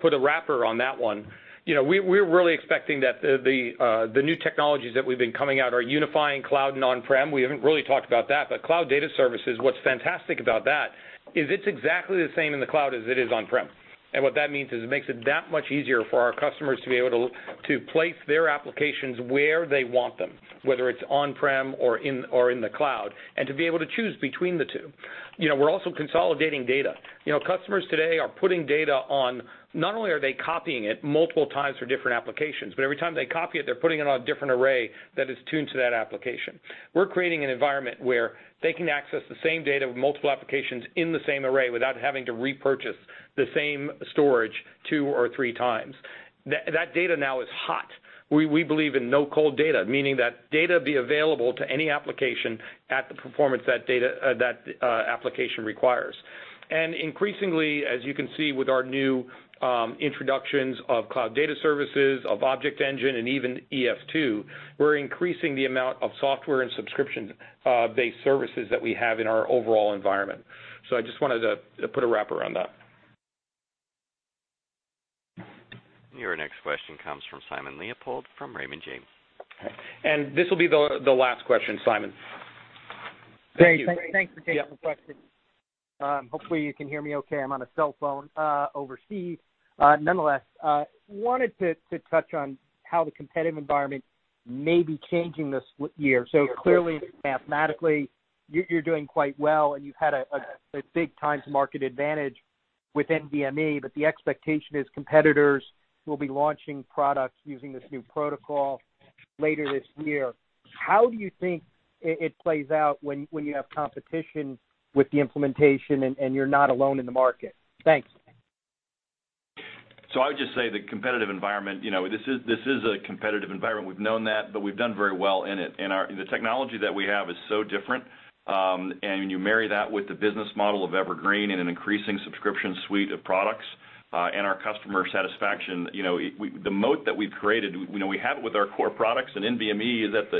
put a wrapper on that one, we're really expecting that the new technologies that we've been coming out are unifying cloud and on-prem. We haven't really talked about that, but Cloud Data Services, what's fantastic about that is it's exactly the same in the cloud as it is on-prem. What that means is it makes it that much easier for our customers to be able to place their applications where they want them, whether it's on-prem or in the cloud, and to be able to choose between the two. We're also consolidating data. Not only are they copying it multiple times for different applications, but every time they copy it, they're putting it on a different array that is tuned to that application. We're creating an environment where they can access the same data with multiple applications in the same array without having to repurchase the same storage two or three times. That data now is hot. We believe in no cold data, meaning that data be available to any application at the performance that application requires. Increasingly, as you can see with our new introductions of Cloud Data Services, of ObjectEngine, and even ES2, we're increasing the amount of software and subscription-based services that we have in our overall environment. I just wanted to put a wrapper on that. Your next question comes from Simon Leopold from Raymond James. This will be the last question, Simon. Great. Thanks for taking the question. Hopefully you can hear me okay. I'm on a cell phone, overseas. Nonetheless, wanted to touch on how the competitive environment may be changing this year. Clearly, mathematically, you're doing quite well and you've had a big-time to market advantage with NVMe, but the expectation is competitors will be launching products using this new protocol later this year. How do you think it plays out when you have competition with the implementation and you're not alone in the market? Thanks. I would just say the competitive environment, this is a competitive environment. We've known that, but we've done very well in it. The technology that we have is so different, and when you marry that with the business model of Evergreen and an increasing subscription suite of products, and our customer satisfaction, the moat that we've created, we have it with our core products, and NVMe is at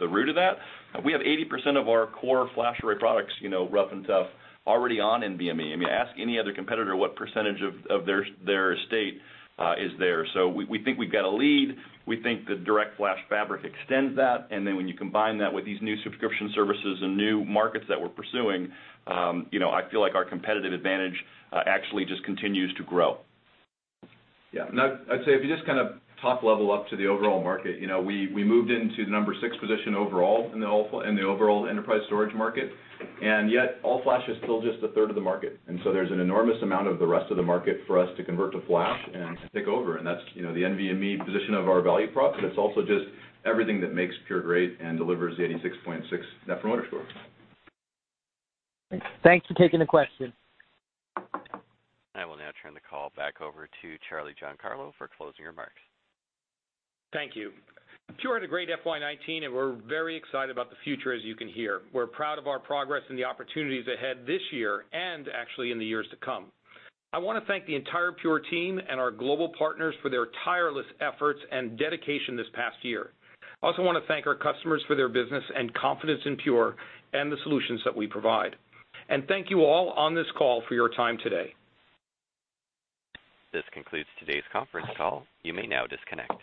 the root of that. We have 80% of our core FlashArray products, you know, rough and tough, already on NVMe. I mean, ask any other competitor what percentage of their estate is there. We think we've got a lead. We think the DirectFlash Fabric extends that, and then when you combine that with these new subscription services and new markets that we're pursuing, I feel like our competitive advantage actually just continues to grow. Yeah. Now, I'd say if you just kind of top level up to the overall market, we moved into the number six position overall in the overall enterprise storage market, and yet all-flash is still just a third of the market. There's an enormous amount of the rest of the market for us to convert to flash and take over, and that's the NVMe position of our value prop, but it's also just everything that makes Everpure great and delivers the 86.6 net promoter score. Thanks for taking the question. I will now turn the call back over to Charlie Giancarlo for closing remarks. Thank you. Pure had a great FY 2019, and we're very excited about the future, as you can hear. We're proud of our progress and the opportunities ahead this year and actually in the years to come. I want to thank the entire Pure team and our global partners for their tireless efforts and dedication this past year. I also want to thank our customers for their business and confidence in Pure and the solutions that we provide. Thank you all on this call for your time today. This concludes today's conference call. You may now disconnect.